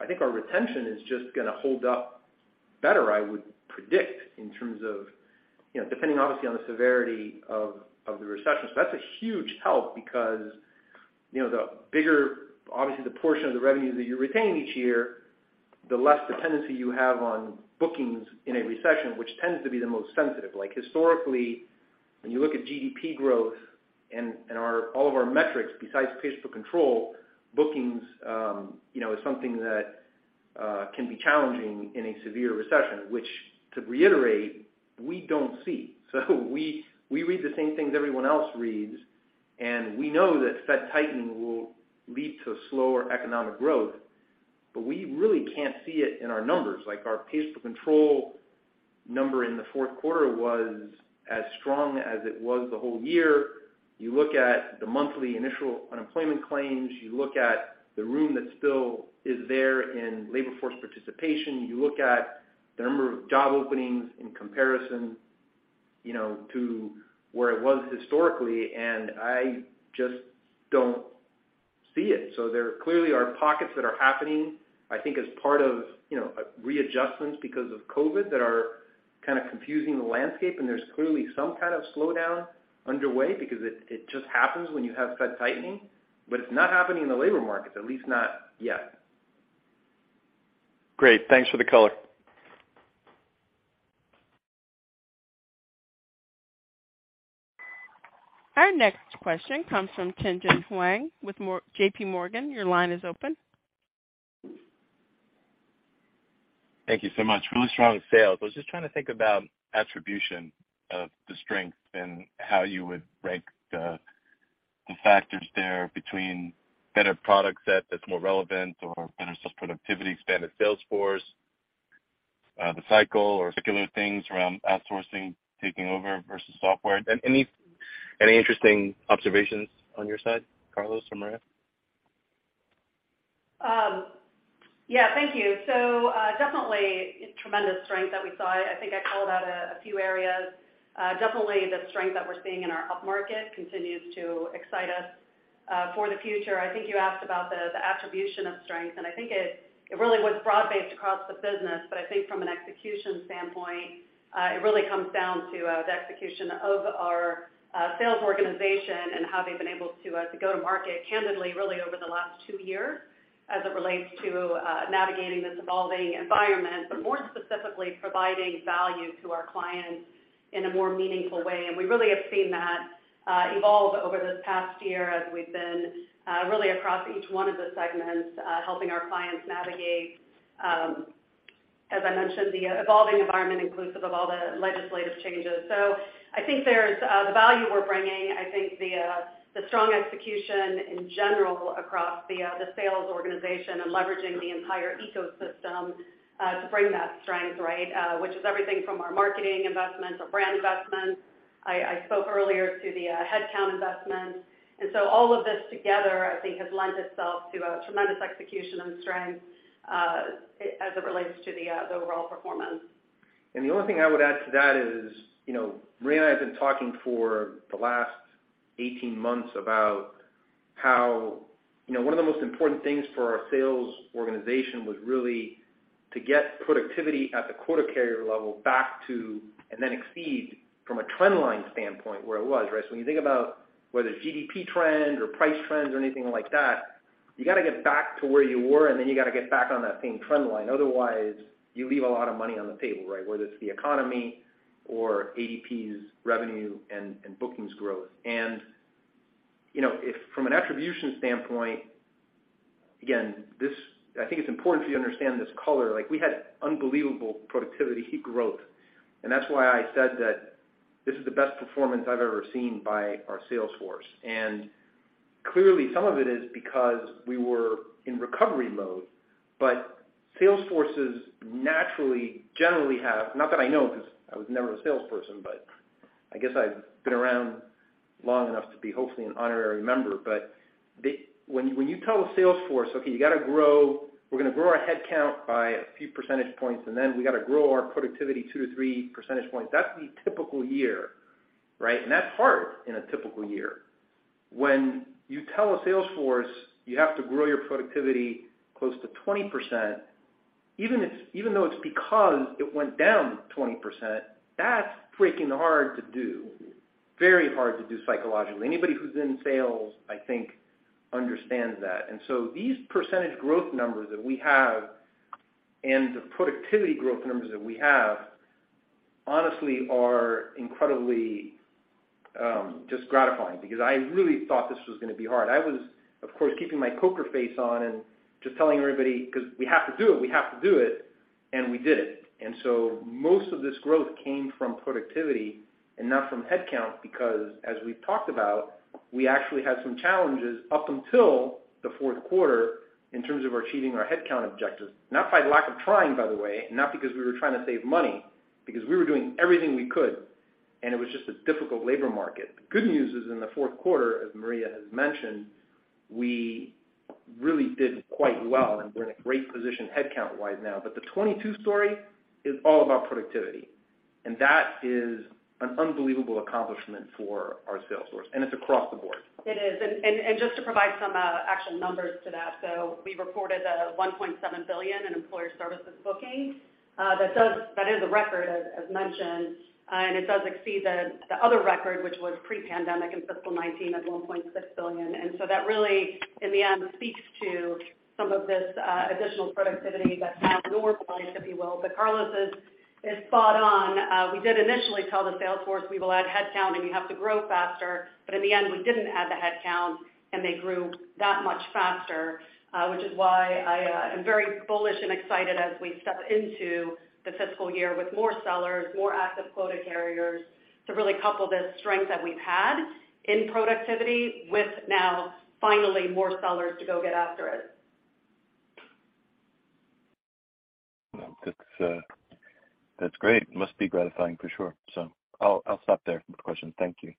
mix, I think our retention is just gonna hold up better, I would predict, in terms of, you know, depending obviously on the severity of the recession. That's a huge help because, you know, the bigger, obviously, the portion of the revenue that you retain each year, the less dependency you have on bookings in a recession, which tends to be the most sensitive. Like historically, when you look at GDP growth and all of our metrics besides pays per control, bookings, you know, is something that can be challenging in a severe recession, which to reiterate, we don't see. We read the same things everyone else reads, and we know that Fed tightening will lead to slower economic growth, but we really can't see it in our numbers. Like, our pays per control number in the fourth quarter was as strong as it was the whole year. You look at the monthly initial unemployment claims, you look at the room that still is there in labor force participation, you look at the number of job openings in comparison, you know, to where it was historically, and I just don't see it. There clearly are pockets that are happening, I think as part of, you know, readjustments because of COVID that are kind of confusing the landscape. There's clearly some kind of slowdown underway because it just happens when you have Fed tightening. It's not happening in the labor markets, at least not yet. Great. Thanks for the color. Our next question comes from Tien-Tsin Huang with JPMorgan. Your line is open. Thank you so much. Really strong sales. I was just trying to think about attribution of the strength and how you would rank the factors there between better product set that's more relevant or better sales productivity, expanded sales force, the cycle or secular things around outsourcing taking over versus software. Any interesting observations on your side, Carlos or Maria? Yeah. Thank you. Definitely tremendous strength that we saw. I think I called out a few areas. Definitely the strength that we're seeing in our upmarket continues to excite us. For the future, I think you asked about the attribution of strength, and I think it really was broad-based across the business. I think from an execution standpoint, it really comes down to the execution of our sales organization and how they've been able to go to market candidly, really over the last two years, as it relates to navigating this evolving environment, but more specifically, providing value to our clients in a more meaningful way. We really have seen that evolve over this past year as we've been really across each one of the segments helping our clients navigate, as I mentioned, the evolving environment, inclusive of all the legislative changes. I think there's the value we're bringing, I think the strong execution in general across the sales organization and leveraging the entire ecosystem to bring that strength, right? Which is everything from our marketing investments, our brand investments. I spoke earlier to the headcount investments. All of this together, I think has lent itself to a tremendous execution and strength, as it relates to the overall performance. The only thing I would add to that is, you know, Maria and I have been talking for the last 18 months about how, you know, one of the most important things for our sales organization was really to get productivity at the quota carrier level back to, and then exceed from a trend line standpoint, where it was, right? So when you think about whether GDP trend or price trends or anything like that, you gotta get back to where you were, and then you gotta get back on that same trend line. Otherwise, you leave a lot of money on the table, right? Whether it's the economy or ADP's revenue and bookings growth. You know, if from an attribution standpoint, again, this. I think it's important for you to understand this color. Like, we had unbelievable productivity headcount growth, and that's why I said that this is the best performance I've ever seen by our sales force. Clearly, some of it is because we were in recovery mode, but sales forces naturally, generally have. Not that I know because I was never a salesperson, but I guess I've been around long enough to be hopefully an honorary member. But when you tell a sales force, "Okay, you gotta grow. We're gonna grow our headcount by a few percentage points, and then we gotta grow our productivity 2 percentage points-3 percentage points," that's the typical year, right? That's hard in a typical year. When you tell a sales force, "You have to grow your productivity close to 20%," even though it's because it went down 20%, that's freaking hard to do. Very hard to do psychologically. Anybody who's in sales, I think, understands that. These percentage growth numbers that we have and the productivity growth numbers that we have honestly are incredibly, just gratifying because I really thought this was gonna be hard. I was, of course, keeping my poker face on and just telling everybody, "'Cause we have to do it, we have to do it," and we did it. Most of this growth came from productivity and not from headcount because as we've talked about, we actually had some challenges up until the fourth quarter in terms of achieving our headcount objectives. Not by lack of trying, by the way, not because we were trying to save money, because we were doing everything we could, and it was just a difficult labor market. The good news is, in the fourth quarter, as Maria has mentioned, we really did quite well, and we're in a great position headcount-wise now. The 2022 story is all about productivity, and that is an unbelievable accomplishment for our sales force, and it's across the Board. It is. Just to provide some actual numbers to that. We reported $1.7 billion in Employer Services bookings. That is a record as mentioned. It does exceed the other record, which was pre-pandemic in fiscal 2019 at $1.6 billion. That really, in the end, speaks to some of this additional productivity that's now normalized, if you will. Carlos is spot on. We did initially tell the sales force, "We will add headcount, and you have to grow faster." In the end, we didn't add the headcount, and they grew that much faster. Which is why I am very bullish and excited as we step into the fiscal year with more sellers, more active quota carriers to really couple this strength that we've had in productivity with now finally more sellers to go get after it. Well, that's great. Must be gratifying for sure. I'll stop there with the questions. Thank you.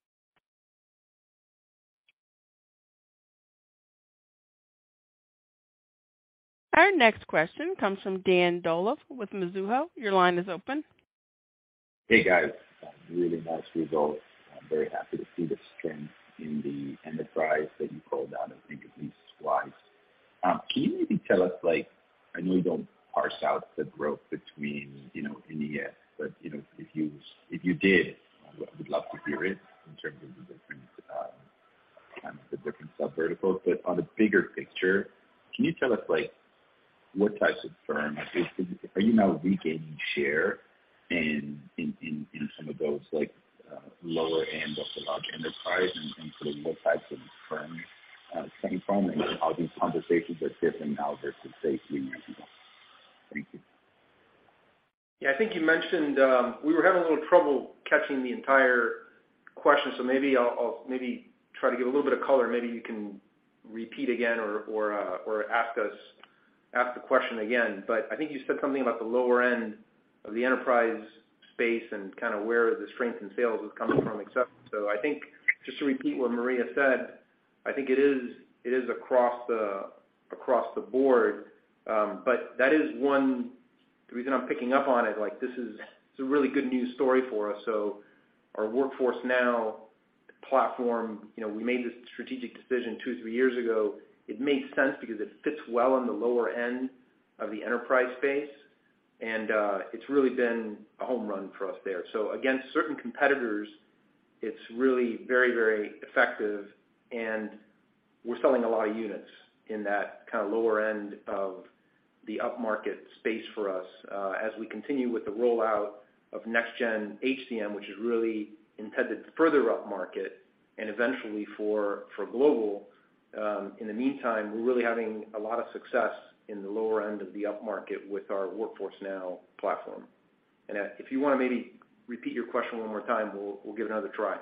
Our next question comes from Dan Dolev with Mizuho. Your line is open. Hey, guys. Really nice results. I'm very happy to see the strength in the enterprise that you called out, I think, at least twice. Can you maybe tell us like, I know you don't parse out the growth between, you know, in the year, but, you know, if you did, I would love to hear it in terms of the different subverticals. But on a bigger picture, can you tell us, like, what types of firms are you now regaining share in some of those like, lower end of the large enterprise? Sort of what types of firms it's coming from and how these conversations are different now versus, say, a few years ago? Thank you. Yeah. I think you mentioned. We were having a little trouble catching the entire question, so maybe I'll maybe try to give a little bit of color. Maybe you can repeat again or ask the question again. But I think you said something about the lower end of the enterprise space and kind of where the strength in sales was coming from, et cetera. I think just to repeat what Maria said, I think it is across the Board. But that is one, the reason I'm picking up on it, like, this is it. It's a really good news story for us. Our Workforce Now platform, you know, we made this strategic decision two, three years ago. It made sense because it fits well on the lower end of the enterprise space, and it's really been a home run for us there. Against certain competitors, it's really very, very effective, and we're selling a lot of units in that kinda lower end of the upmarket space for us. As we continue with the rollout of Next Gen HCM, which is really intended to further upmarket and eventually for global. In the meantime, we're really having a lot of success in the lower end of the upmarket with our Workforce Now platform. If you wanna maybe repeat your question one more time, we'll give it another try.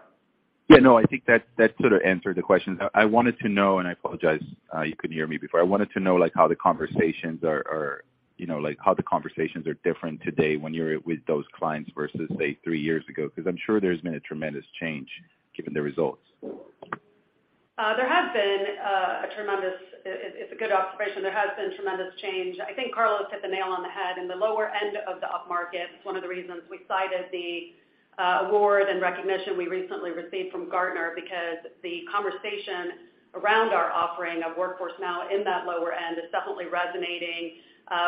Yeah, no, I think that sort of answered the question. I wanted to know, and I apologize, you couldn't hear me before. I wanted to know, like, how the conversations are, you know, like, how the conversations are different today when you're with those clients versus, say, three years ago, 'cause I'm sure there's been a tremendous change given the results. It's a good observation. There has been tremendous change. I think Carlos hit the nail on the head. In the lower end of the upmarket, it's one of the reasons we cited the award and recognition we recently received from Gartner because the conversation around our offering of Workforce Now in that lower end is definitely resonating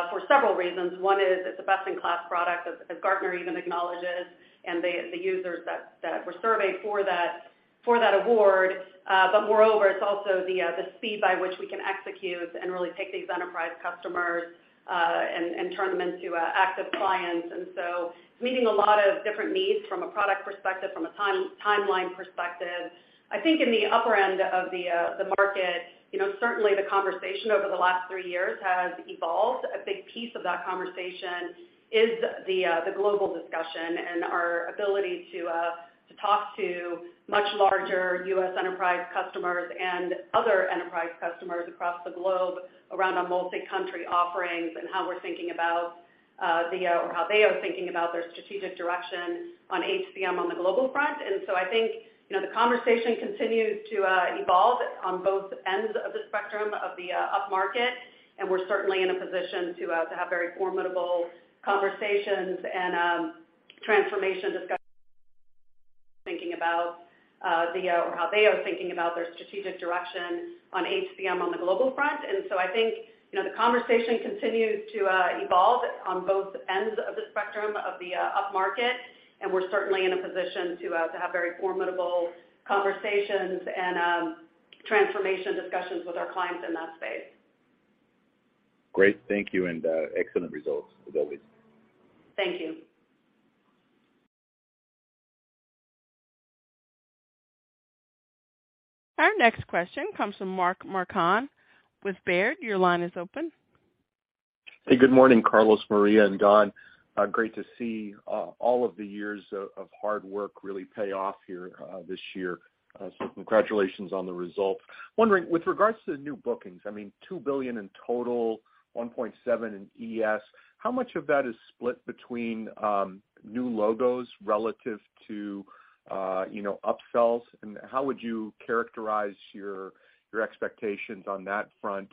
for several reasons. One is it's a best-in-class product, as Gartner even acknowledges, and the users that were surveyed for that award. But moreover, it's also the speed by which we can execute and really take these enterprise customers and turn them into active clients. It's meeting a lot of different needs from a product perspective, from a timeline perspective. I think in the upper end of the market, you know, certainly the conversation over the last three years has evolved. A big piece of that conversation is the global discussion and our ability to talk to much larger U.S. enterprise customers and other enterprise customers across the globe around our multi-country offerings and how they are thinking about their strategic direction on HCM on the global front. I think, you know, the conversation continues to evolve on both ends of the spectrum of the upmarket, and we're certainly in a position to have very formidable conversations and transformation discussions. I think, you know, the conversation continues to evolve on both ends of the spectrum of the upmarket, and we're certainly in a position to have very formidable conversations and transformation discussions with our clients in that space. Great. Thank you, and excellent results as always. Thank you. Our next question comes from Mark Marcon with Baird. Your line is open. Hey, good morning, Carlos, Maria, and Don. Great to see all of the years of hard work really pay off here this year. Congratulations on the results. Wondering, with regards to the new bookings, I mean, $2 billion in total, $1.7 billion in ES, how much of that is split between new logos relative to upsells? How would you characterize your expectations on that front,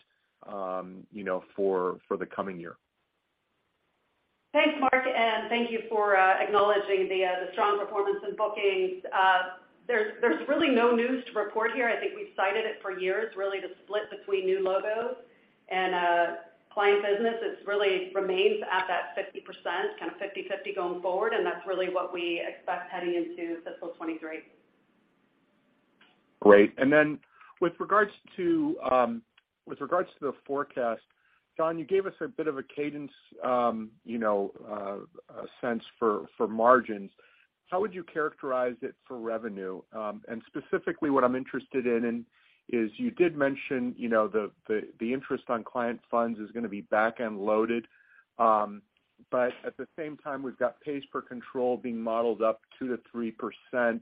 you know, for the coming year? Thanks, Mark, and thank you for acknowledging the strong performance in bookings. There's really no news to report here. I think we've cited it for years really to split between new logos and client business. It really remains at that 50%, kind of 50/50 going forward, and that's really what we expect heading into fiscal 2023. Great. With regards to the forecast, Don, you gave us a bit of a cadence, you know, a sense for margins. How would you characterize it for revenue? Specifically, what I'm interested in is you did mention, you know, the interest on client funds is gonna be back-end loaded. But at the same time, we've got pays per control being modeled up 2%-3%,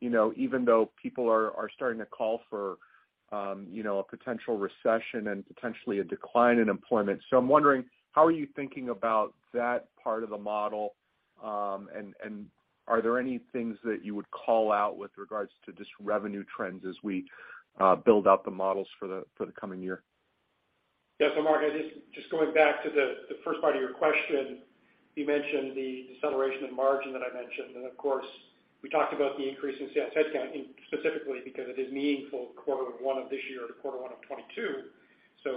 you know, even though people are starting to call for, you know, a potential recession and potentially a decline in employment. I'm wondering, how are you thinking about that part of the model, and are there any things that you would call out with regards to just revenue trends as we build out the models for the coming year? Yeah. Mark, I just going back to the first part of your question, you mentioned the deceleration in margin that I mentioned. Of course, we talked about the increase in sales headcount specifically because it is meaningful quarter one of this year to quarter one of 2022.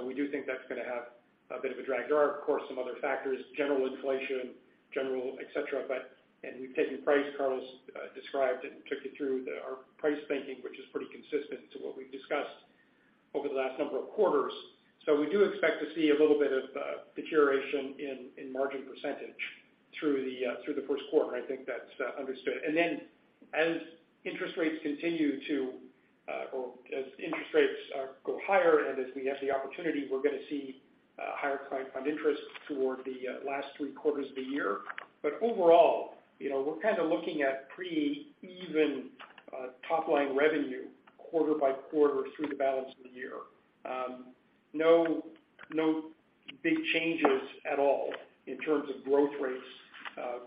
We do think that's gonna have a bit of a drag. There are, of course, some other factors, general inflation, general et cetera, but. We've taken price. Carlos described it and took you through our price thinking, which is pretty consistent to what we've discussed over the last number of quarters. We do expect to see a little bit of deterioration in margin percentage through the first quarter. I think that's understood. As interest rates go higher and as we have the opportunity, we're gonna see higher client fund interest toward the last three quarters of the year. Overall, you know, we're kinda looking at pretty even top line revenue quarter-by-quarter through the balance of the year. No big changes at all in terms of growth rates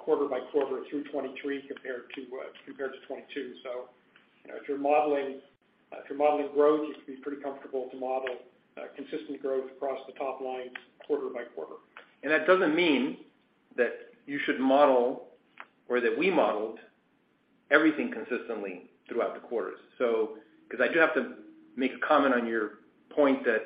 quarter-by-quarter through 2023 compared to 2022. You know, if you're modeling growth, you can be pretty comfortable to model consistent growth across the top lines quarter-by-quarter. That doesn't mean that you should model or that we modeled everything consistently throughout the quarters. 'Cause I do have to make a comment on your point that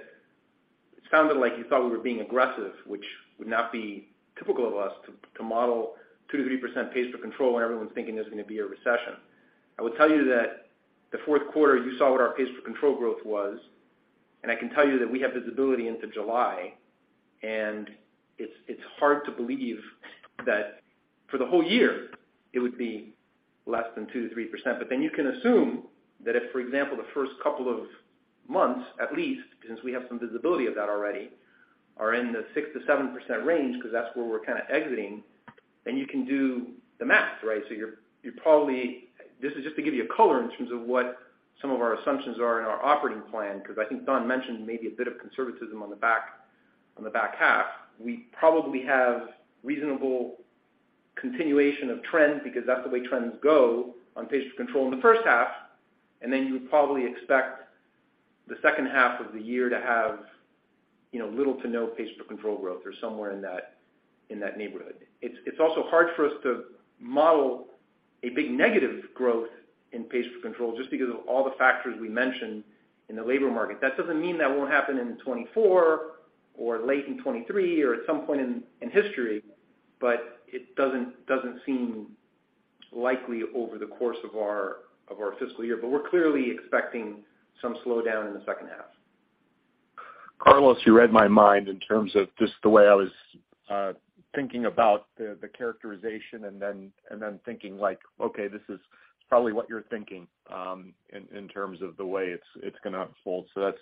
it sounded like you thought we were being aggressive, which would not be typical of us to model 2%-3% pays per control when everyone's thinking there's gonna be a recession. I would tell you that the fourth quarter, you saw what our pays per control growth was, and I can tell you that we have visibility into July, and it's hard to believe that for the whole year it would be less than 2%-3%. You can assume that if, for example, the first couple of months, at least, since we have some visibility of that already, are in the 6%-7% range, 'cause that's where we're kinda exiting, then you can do the math, right? You're probably. This is just to give you a color in terms of what some of our assumptions are in our operating plan, 'cause I think Don mentioned maybe a bit of conservatism on the back half. We probably have reasonable continuation of trends because that's the way trends go on pays per control in the first half, and then you would probably expect the second half of the year to have, you know, little to no pays per control growth or somewhere in that, in that neighborhood. It's also hard for us to model a big negative growth in pays per control just because of all the factors we mentioned in the labor market. That doesn't mean that won't happen in 2024 or late in 2023 or at some point in history, but it doesn't seem likely over the course of our fiscal year. We're clearly expecting some slowdown in the second half. Carlos, you read my mind in terms of just the way I was thinking about the characterization and then thinking like, "Okay, this is probably what you're thinking in terms of the way it's gonna unfold." That's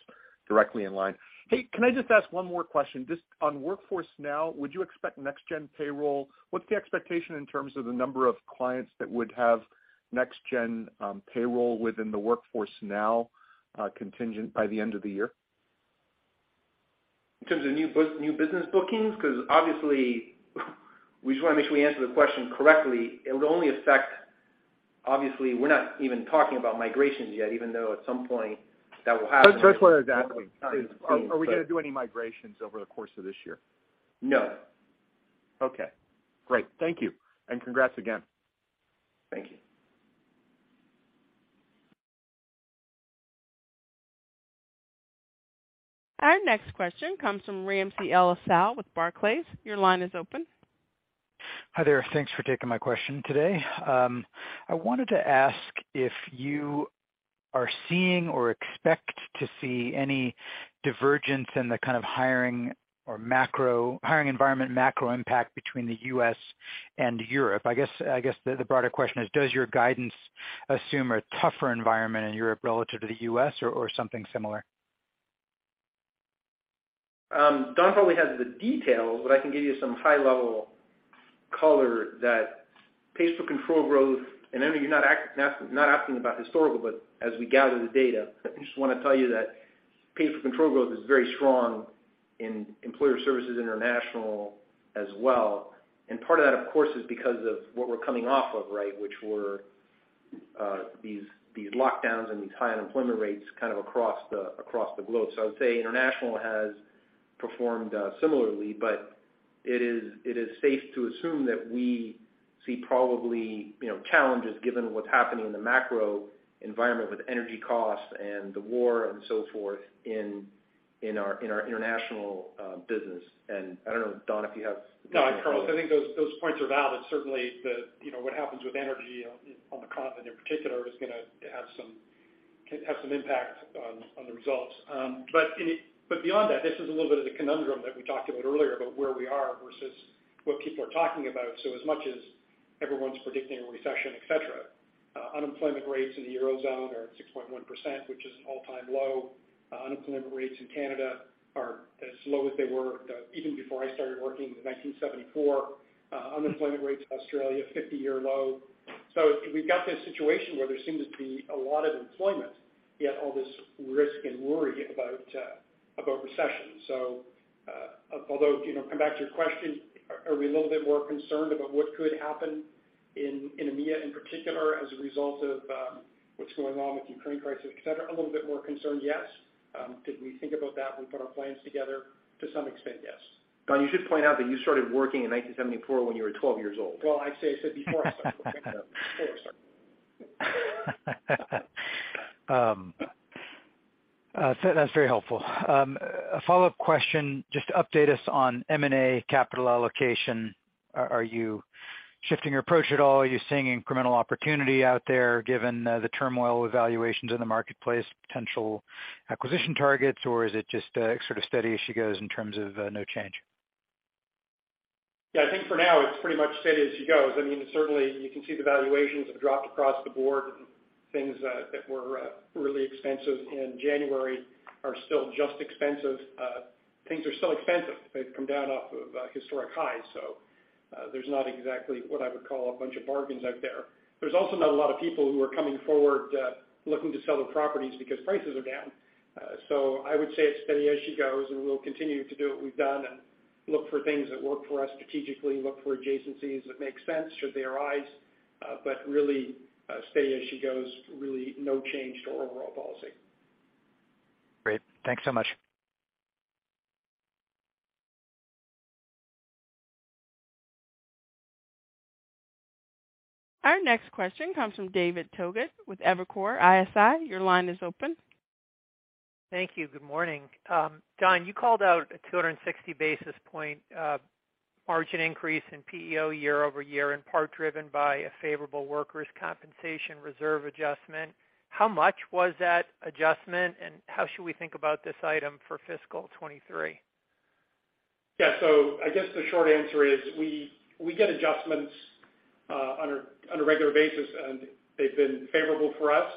directly in line. Hey, can I just ask one more question? Just on Workforce Now, would you expect next-gen payroll? What's the expectation in terms of the number of clients that would have next-gen payroll within the Workforce Now contingent by the end of the year? In terms of new business bookings? 'Cause obviously, we just wanna make sure we answer the question correctly. It would only affect. Obviously, we're not even talking about migrations yet, even though at some point that will happen. That's what exactly. Are we gonna do any migrations over the course of this year? No. Okay, great. Thank you, and congrats again. Thank you. Our next question comes from Ramsey El-Assal with Barclays. Your line is open. Hi there. Thanks for taking my question today. I wanted to ask if you are seeing or expect to see any divergence in the kind of hiring or macro hiring environment macro impact between the U.S. and Europe. I guess the broader question is, does your guidance assume a tougher environment in Europe relative to the U.S. or something similar? Don probably has the details, but I can give you some high level color that pays per control growth. I know you're not asking about historical, but as we gather the data, I just wanna tell you that pays per control growth is very strong in Employer Services International as well. Part of that, of course, is because of what we're coming off of, right? Which were these lockdowns and these high unemployment rates kind of across the globe. I would say international has performed similarly, but it is safe to assume that we see probably, you know, challenges given what's happening in the macro environment with energy costs and the war and so forth in our international business. I don't know, Don, if you have No, Carlos, I think those points are valid. Certainly the. You know, what happens with energy on the continent in particular is gonna have some impact on the results. Beyond that, this is a little bit of the conundrum that we talked about earlier about where we are versus what people are talking about. As much as everyone's predicting a recession, et cetera, unemployment rates in the Eurozone are at 6.1%, which is an all-time low. Unemployment rates in Canada are as low as they were, even before I started working in 1974. Unemployment rates, Australia, 50-year low. We've got this situation where there seems to be a lot of employment, yet all this risk and worry about recession. Although, you know, come back to your question, are we a little bit more concerned about what could happen in EMEA in particular as a result of what's going on with the Ukraine crisis, et cetera? A little bit more concerned, yes. Did we think about that when we put our plans together? To some extent, yes. Don, you should point out that you started working in 1974 when you were 12 years old. Well, I'd say I said before I started working there. That's very helpful. A follow-up question, just update us on M&A capital allocation. Are you shifting your approach at all? Are you seeing incremental opportunity out there given the turmoil, valuations in the marketplace, potential acquisition targets, or is it just sort of steady as she goes in terms of no change? Yeah. I think for now it's pretty much steady as she goes. I mean, certainly you can see the valuations have dropped across the Board, and things that were really expensive in January are still just expensive. Things are still expensive. They've come down off of historic highs, so there's not exactly what I would call a bunch of bargains out there. There's also not a lot of people who are coming forward looking to sell their properties because prices are down. So I would say it's steady as she goes, and we'll continue to do what we've done and look for things that work for us strategically, look for adjacencies that make sense should they arise. But really, steady as she goes, really no change to our overall policy. Great. Thanks so much. Our next question comes from David Togut with Evercore ISI. Your line is open. Thank you. Good morning. Don, you called out a 260 basis point margin increase in PEO year-over-year, in part driven by a favorable workers' compensation reserve adjustment. How much was that adjustment, and how should we think about this item for fiscal 2023? Yeah. I guess the short answer is we get adjustments on a regular basis, and they've been favorable for us.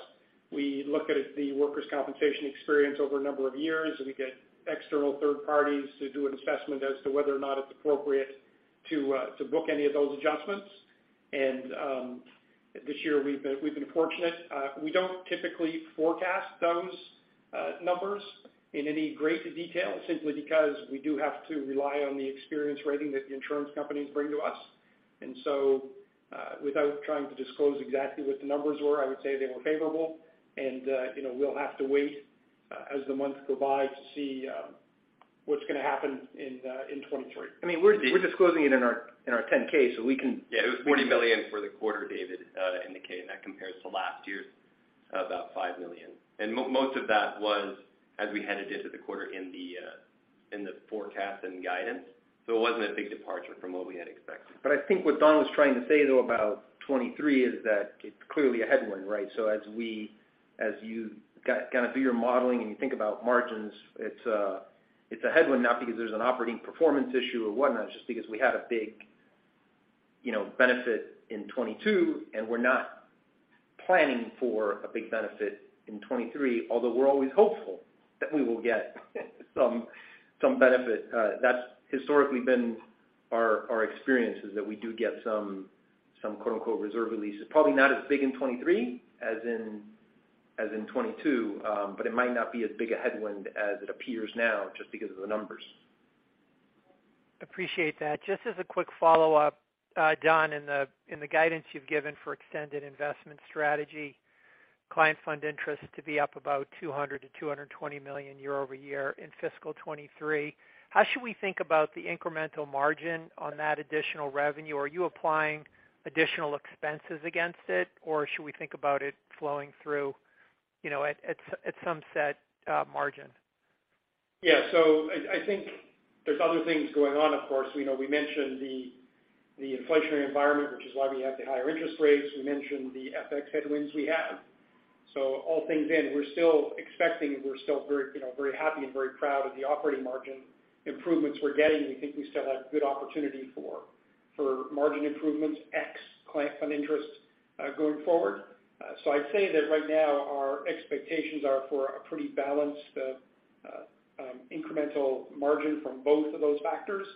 We look at the workers' compensation experience over a number of years, and we get external third parties to do an assessment as to whether or not it's appropriate to book any of those adjustments. This year we've been fortunate. We don't typically forecast those numbers in any great detail simply because we do have to rely on the experience rating that the insurance companies bring to us. Without trying to disclose exactly what the numbers were, I would say they were favorable. You know, we'll have to wait as the months go by to see what's gonna happen in 2023. I mean, we're disclosing it in our 10-K, so we can. It was $40 million for the quarter, David, in the 10-K, and that compares to last year's about $5 million. Most of that was as we headed into the quarter in the forecast and guidance. It wasn't a big departure from what we had expected. I think what Don was trying to say, though, about 2023 is that it's clearly a headwind, right? As you kind of do your modeling and you think about margins, it's a headwind, not because there's an operating performance issue or whatnot, it's just because we had a big, you know, benefit in 2022, and we're not planning for a big benefit in 2023. Although we're always hopeful that we will get some benefit. That's historically been our experience, is that we do get some quote-unquote reserve releases. Probably not as big in 2023 as in 2022. It might not be as big a headwind as it appears now just because of the numbers. Appreciate that. Just as a quick follow-up, Don, in the guidance you've given for extended investment strategy, client fund interest to be up about $200 million-$220 million year-over-year in fiscal 2023, how should we think about the incremental margin on that additional revenue? Are you applying additional expenses against it, or should we think about it flowing through, you know, at some set margin? Yeah. I think there's other things going on, of course. You know, we mentioned the inflationary environment, which is why we have the higher interest rates. We mentioned the FX headwinds we have. All things in, we're still expecting and we're still very, you know, very happy and very proud of the operating margin improvements we're getting. We think we still have good opportunity for margin improvements, ex client fund interest, going forward. I'd say that right now our expectations are for a pretty balanced incremental margin from both of those factors.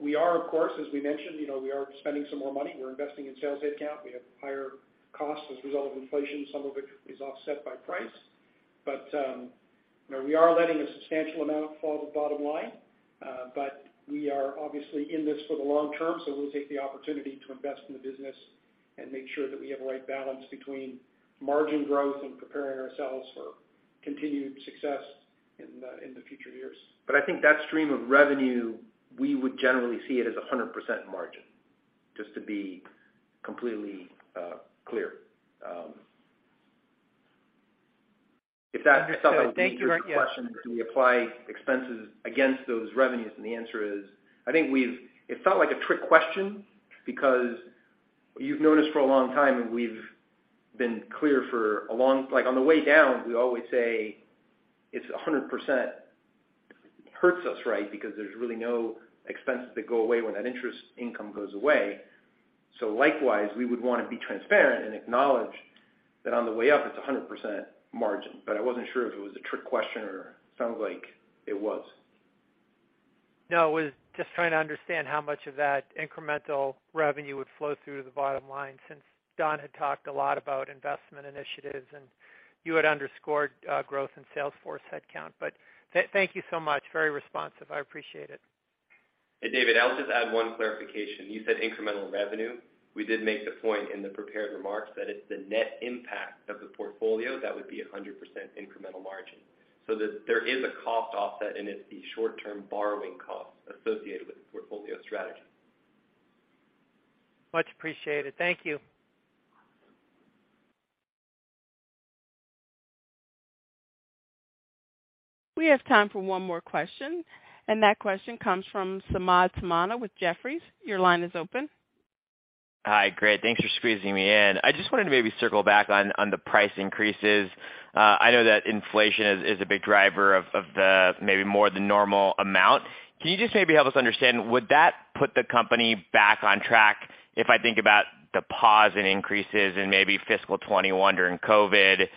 We are, of course, as we mentioned, you know, we are spending some more money. We're investing in sales headcount. We have higher costs as a result of inflation, some of which is offset by price. You know, we are letting a substantial amount fall to the bottom line. We are obviously in this for the long term, so we'll take the opportunity to invest in the business and make sure that we have the right balance between margin growth and preparing ourselves for continued success in the future years. I think that stream of revenue, we would generally see it as 100% margin, just to be completely clear. If that somehow leads to the question of do we apply expenses against those revenues? The answer is, I think it felt like a trick question because you've known us for a long time, and we've been clear for a long time. Like, on the way down, we always say it's 100%. Hurts us, right, because there's really no expenses that go away when that interest income goes away. Likewise, we would wanna be transparent and acknowledge that on the way up, it's 100% margin. I wasn't sure if it was a trick question or it sounds like it was. No, I was just trying to understand how much of that incremental revenue would flow through to the bottom line since Don had talked a lot about investment initiatives and you had underscored, growth in sales force headcount. Thank you so much. Very responsive. I appreciate it. Hey, David, I'll just add one clarification. You said incremental revenue. We did make the point in the prepared remarks that it's the net impact of the portfolio that would be 100% incremental margin. So there is a cost offset, and it's the short-term borrowing costs associated with the portfolio strategy. Much appreciated. Thank you. We have time for one more question, and that question comes from Samad Samana with Jefferies. Your line is open. Hi. Great. Thanks for squeezing me in. I just wanted to maybe circle back on the price increases. I know that inflation is a big driver of the maybe more than normal amount. Can you just maybe help us understand, would that put the company back on track if I think about the pause in increases in maybe fiscal 2021 during COVID?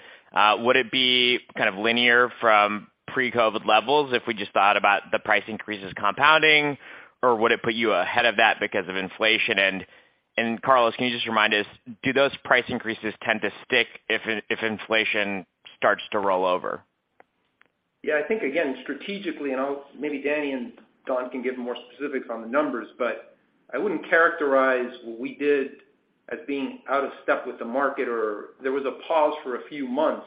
Would it be kind of linear from pre-COVID levels if we just thought about the price increases compounding, or would it put you ahead of that because of inflation? Carlos, can you just remind us, do those price increases tend to stick if inflation starts to roll over? Yeah, I think again, strategically, and I'll maybe Danny and Don can give more specifics on the numbers, but I wouldn't characterize what we did as being out of step with the market or there was a pause for a few months.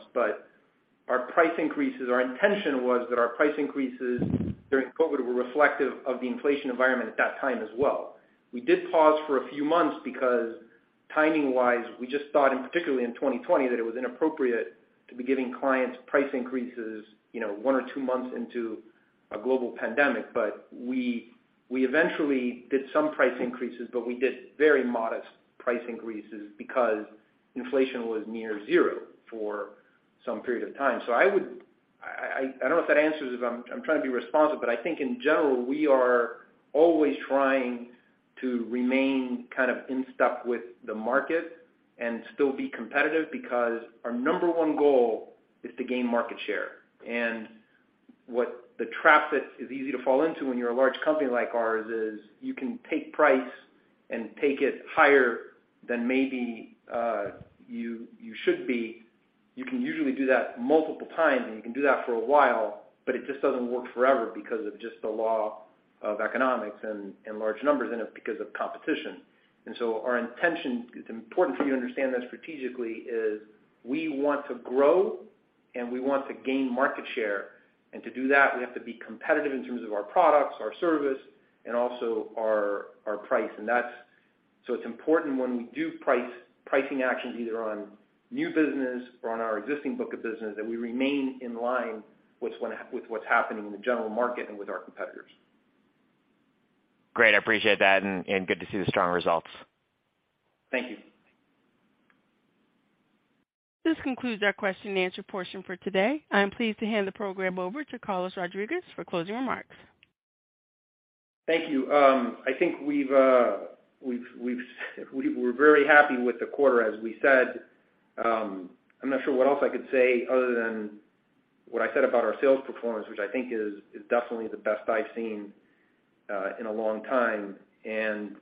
Our price increases, our intention was that our price increases during COVID were reflective of the inflation environment at that time as well. We did pause for a few months because timing wise, we just thought, and particularly in 2020, that it was inappropriate to be giving clients price increases, you know, one or two months into a global pandemic. We eventually did some price increases, but we did very modest price increases because inflation was near zero for some period of time. I don't know if that answers. I'm trying to be responsive, but I think in general, we are always trying to remain kind of in step with the market and still be competitive because our number one goal is to gain market share. What the trap that is easy to fall into when you're a large company like ours is you can take price and take it higher than maybe you should be. You can usually do that multiple times, and you can do that for a while, it just doesn't work forever because of just the law of economics and large numbers, and it's because of competition. Our intention, it's important for you to understand that strategically, is we want to grow and we want to gain market share. To do that, we have to be competitive in terms of our products, our service, and also our price. That's so it's important when we do price, pricing actions, either on new business or on our existing book of business, that we remain in line with what's happening in the general market and with our competitors. Great. I appreciate that and good to see the strong results. Thank you. This concludes our question-and-answer portion for today. I am pleased to hand the program over to Carlos Rodriguez for closing remarks. Thank you. I think we're very happy with the quarter, as we said. I'm not sure what else I could say other than what I said about our sales performance, which I think is definitely the best I've seen in a long time.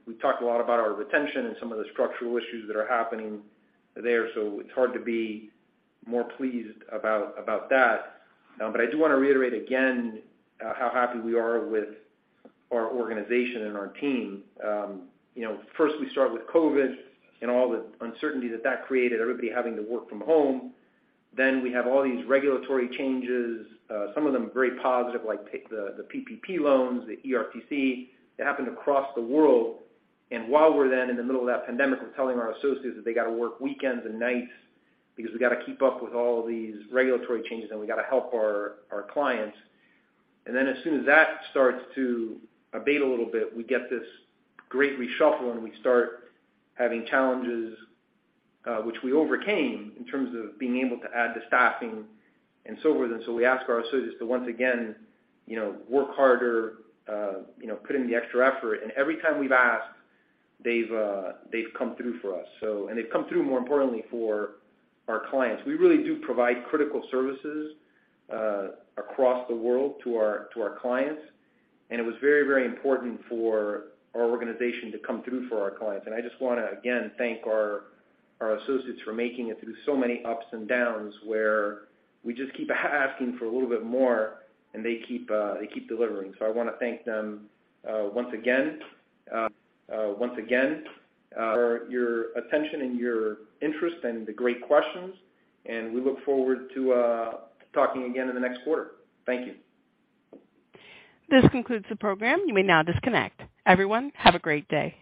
We've talked a lot about our retention and some of the structural issues that are happening there. It's hard to be more pleased about that. But I do want to reiterate again how happy we are with our organization and our team. You know, first we start with COVID and all the uncertainty that that created, everybody having to work from home. We have all these regulatory changes, some of them very positive, like the PPP loans, the ERTC, that happened across the world. While we're then in the middle of that pandemic, we're telling our associates that they got to work weekends and nights because we got to keep up with all these regulatory changes, and we got to help our clients. Then as soon as that starts to abate a little bit, we get this great reshuffle, and we start having challenges, which we overcame in terms of being able to add the staffing and so forth. We ask our associates to once again, you know, work harder, you know, put in the extra effort. Every time we've asked, they've come through for us. They've come through, more importantly, for our clients. We really do provide critical services across the world to our clients. It was very, very important for our organization to come through for our clients. I just wanna, again, thank our associates for making it through so many ups and downs where we just keep asking for a little bit more and they keep delivering. I wanna thank them once again. Once again, your attention and your interest and the great questions. We look forward to talking again in the next quarter. Thank you. This concludes the program. You may now disconnect. Everyone, have a great day.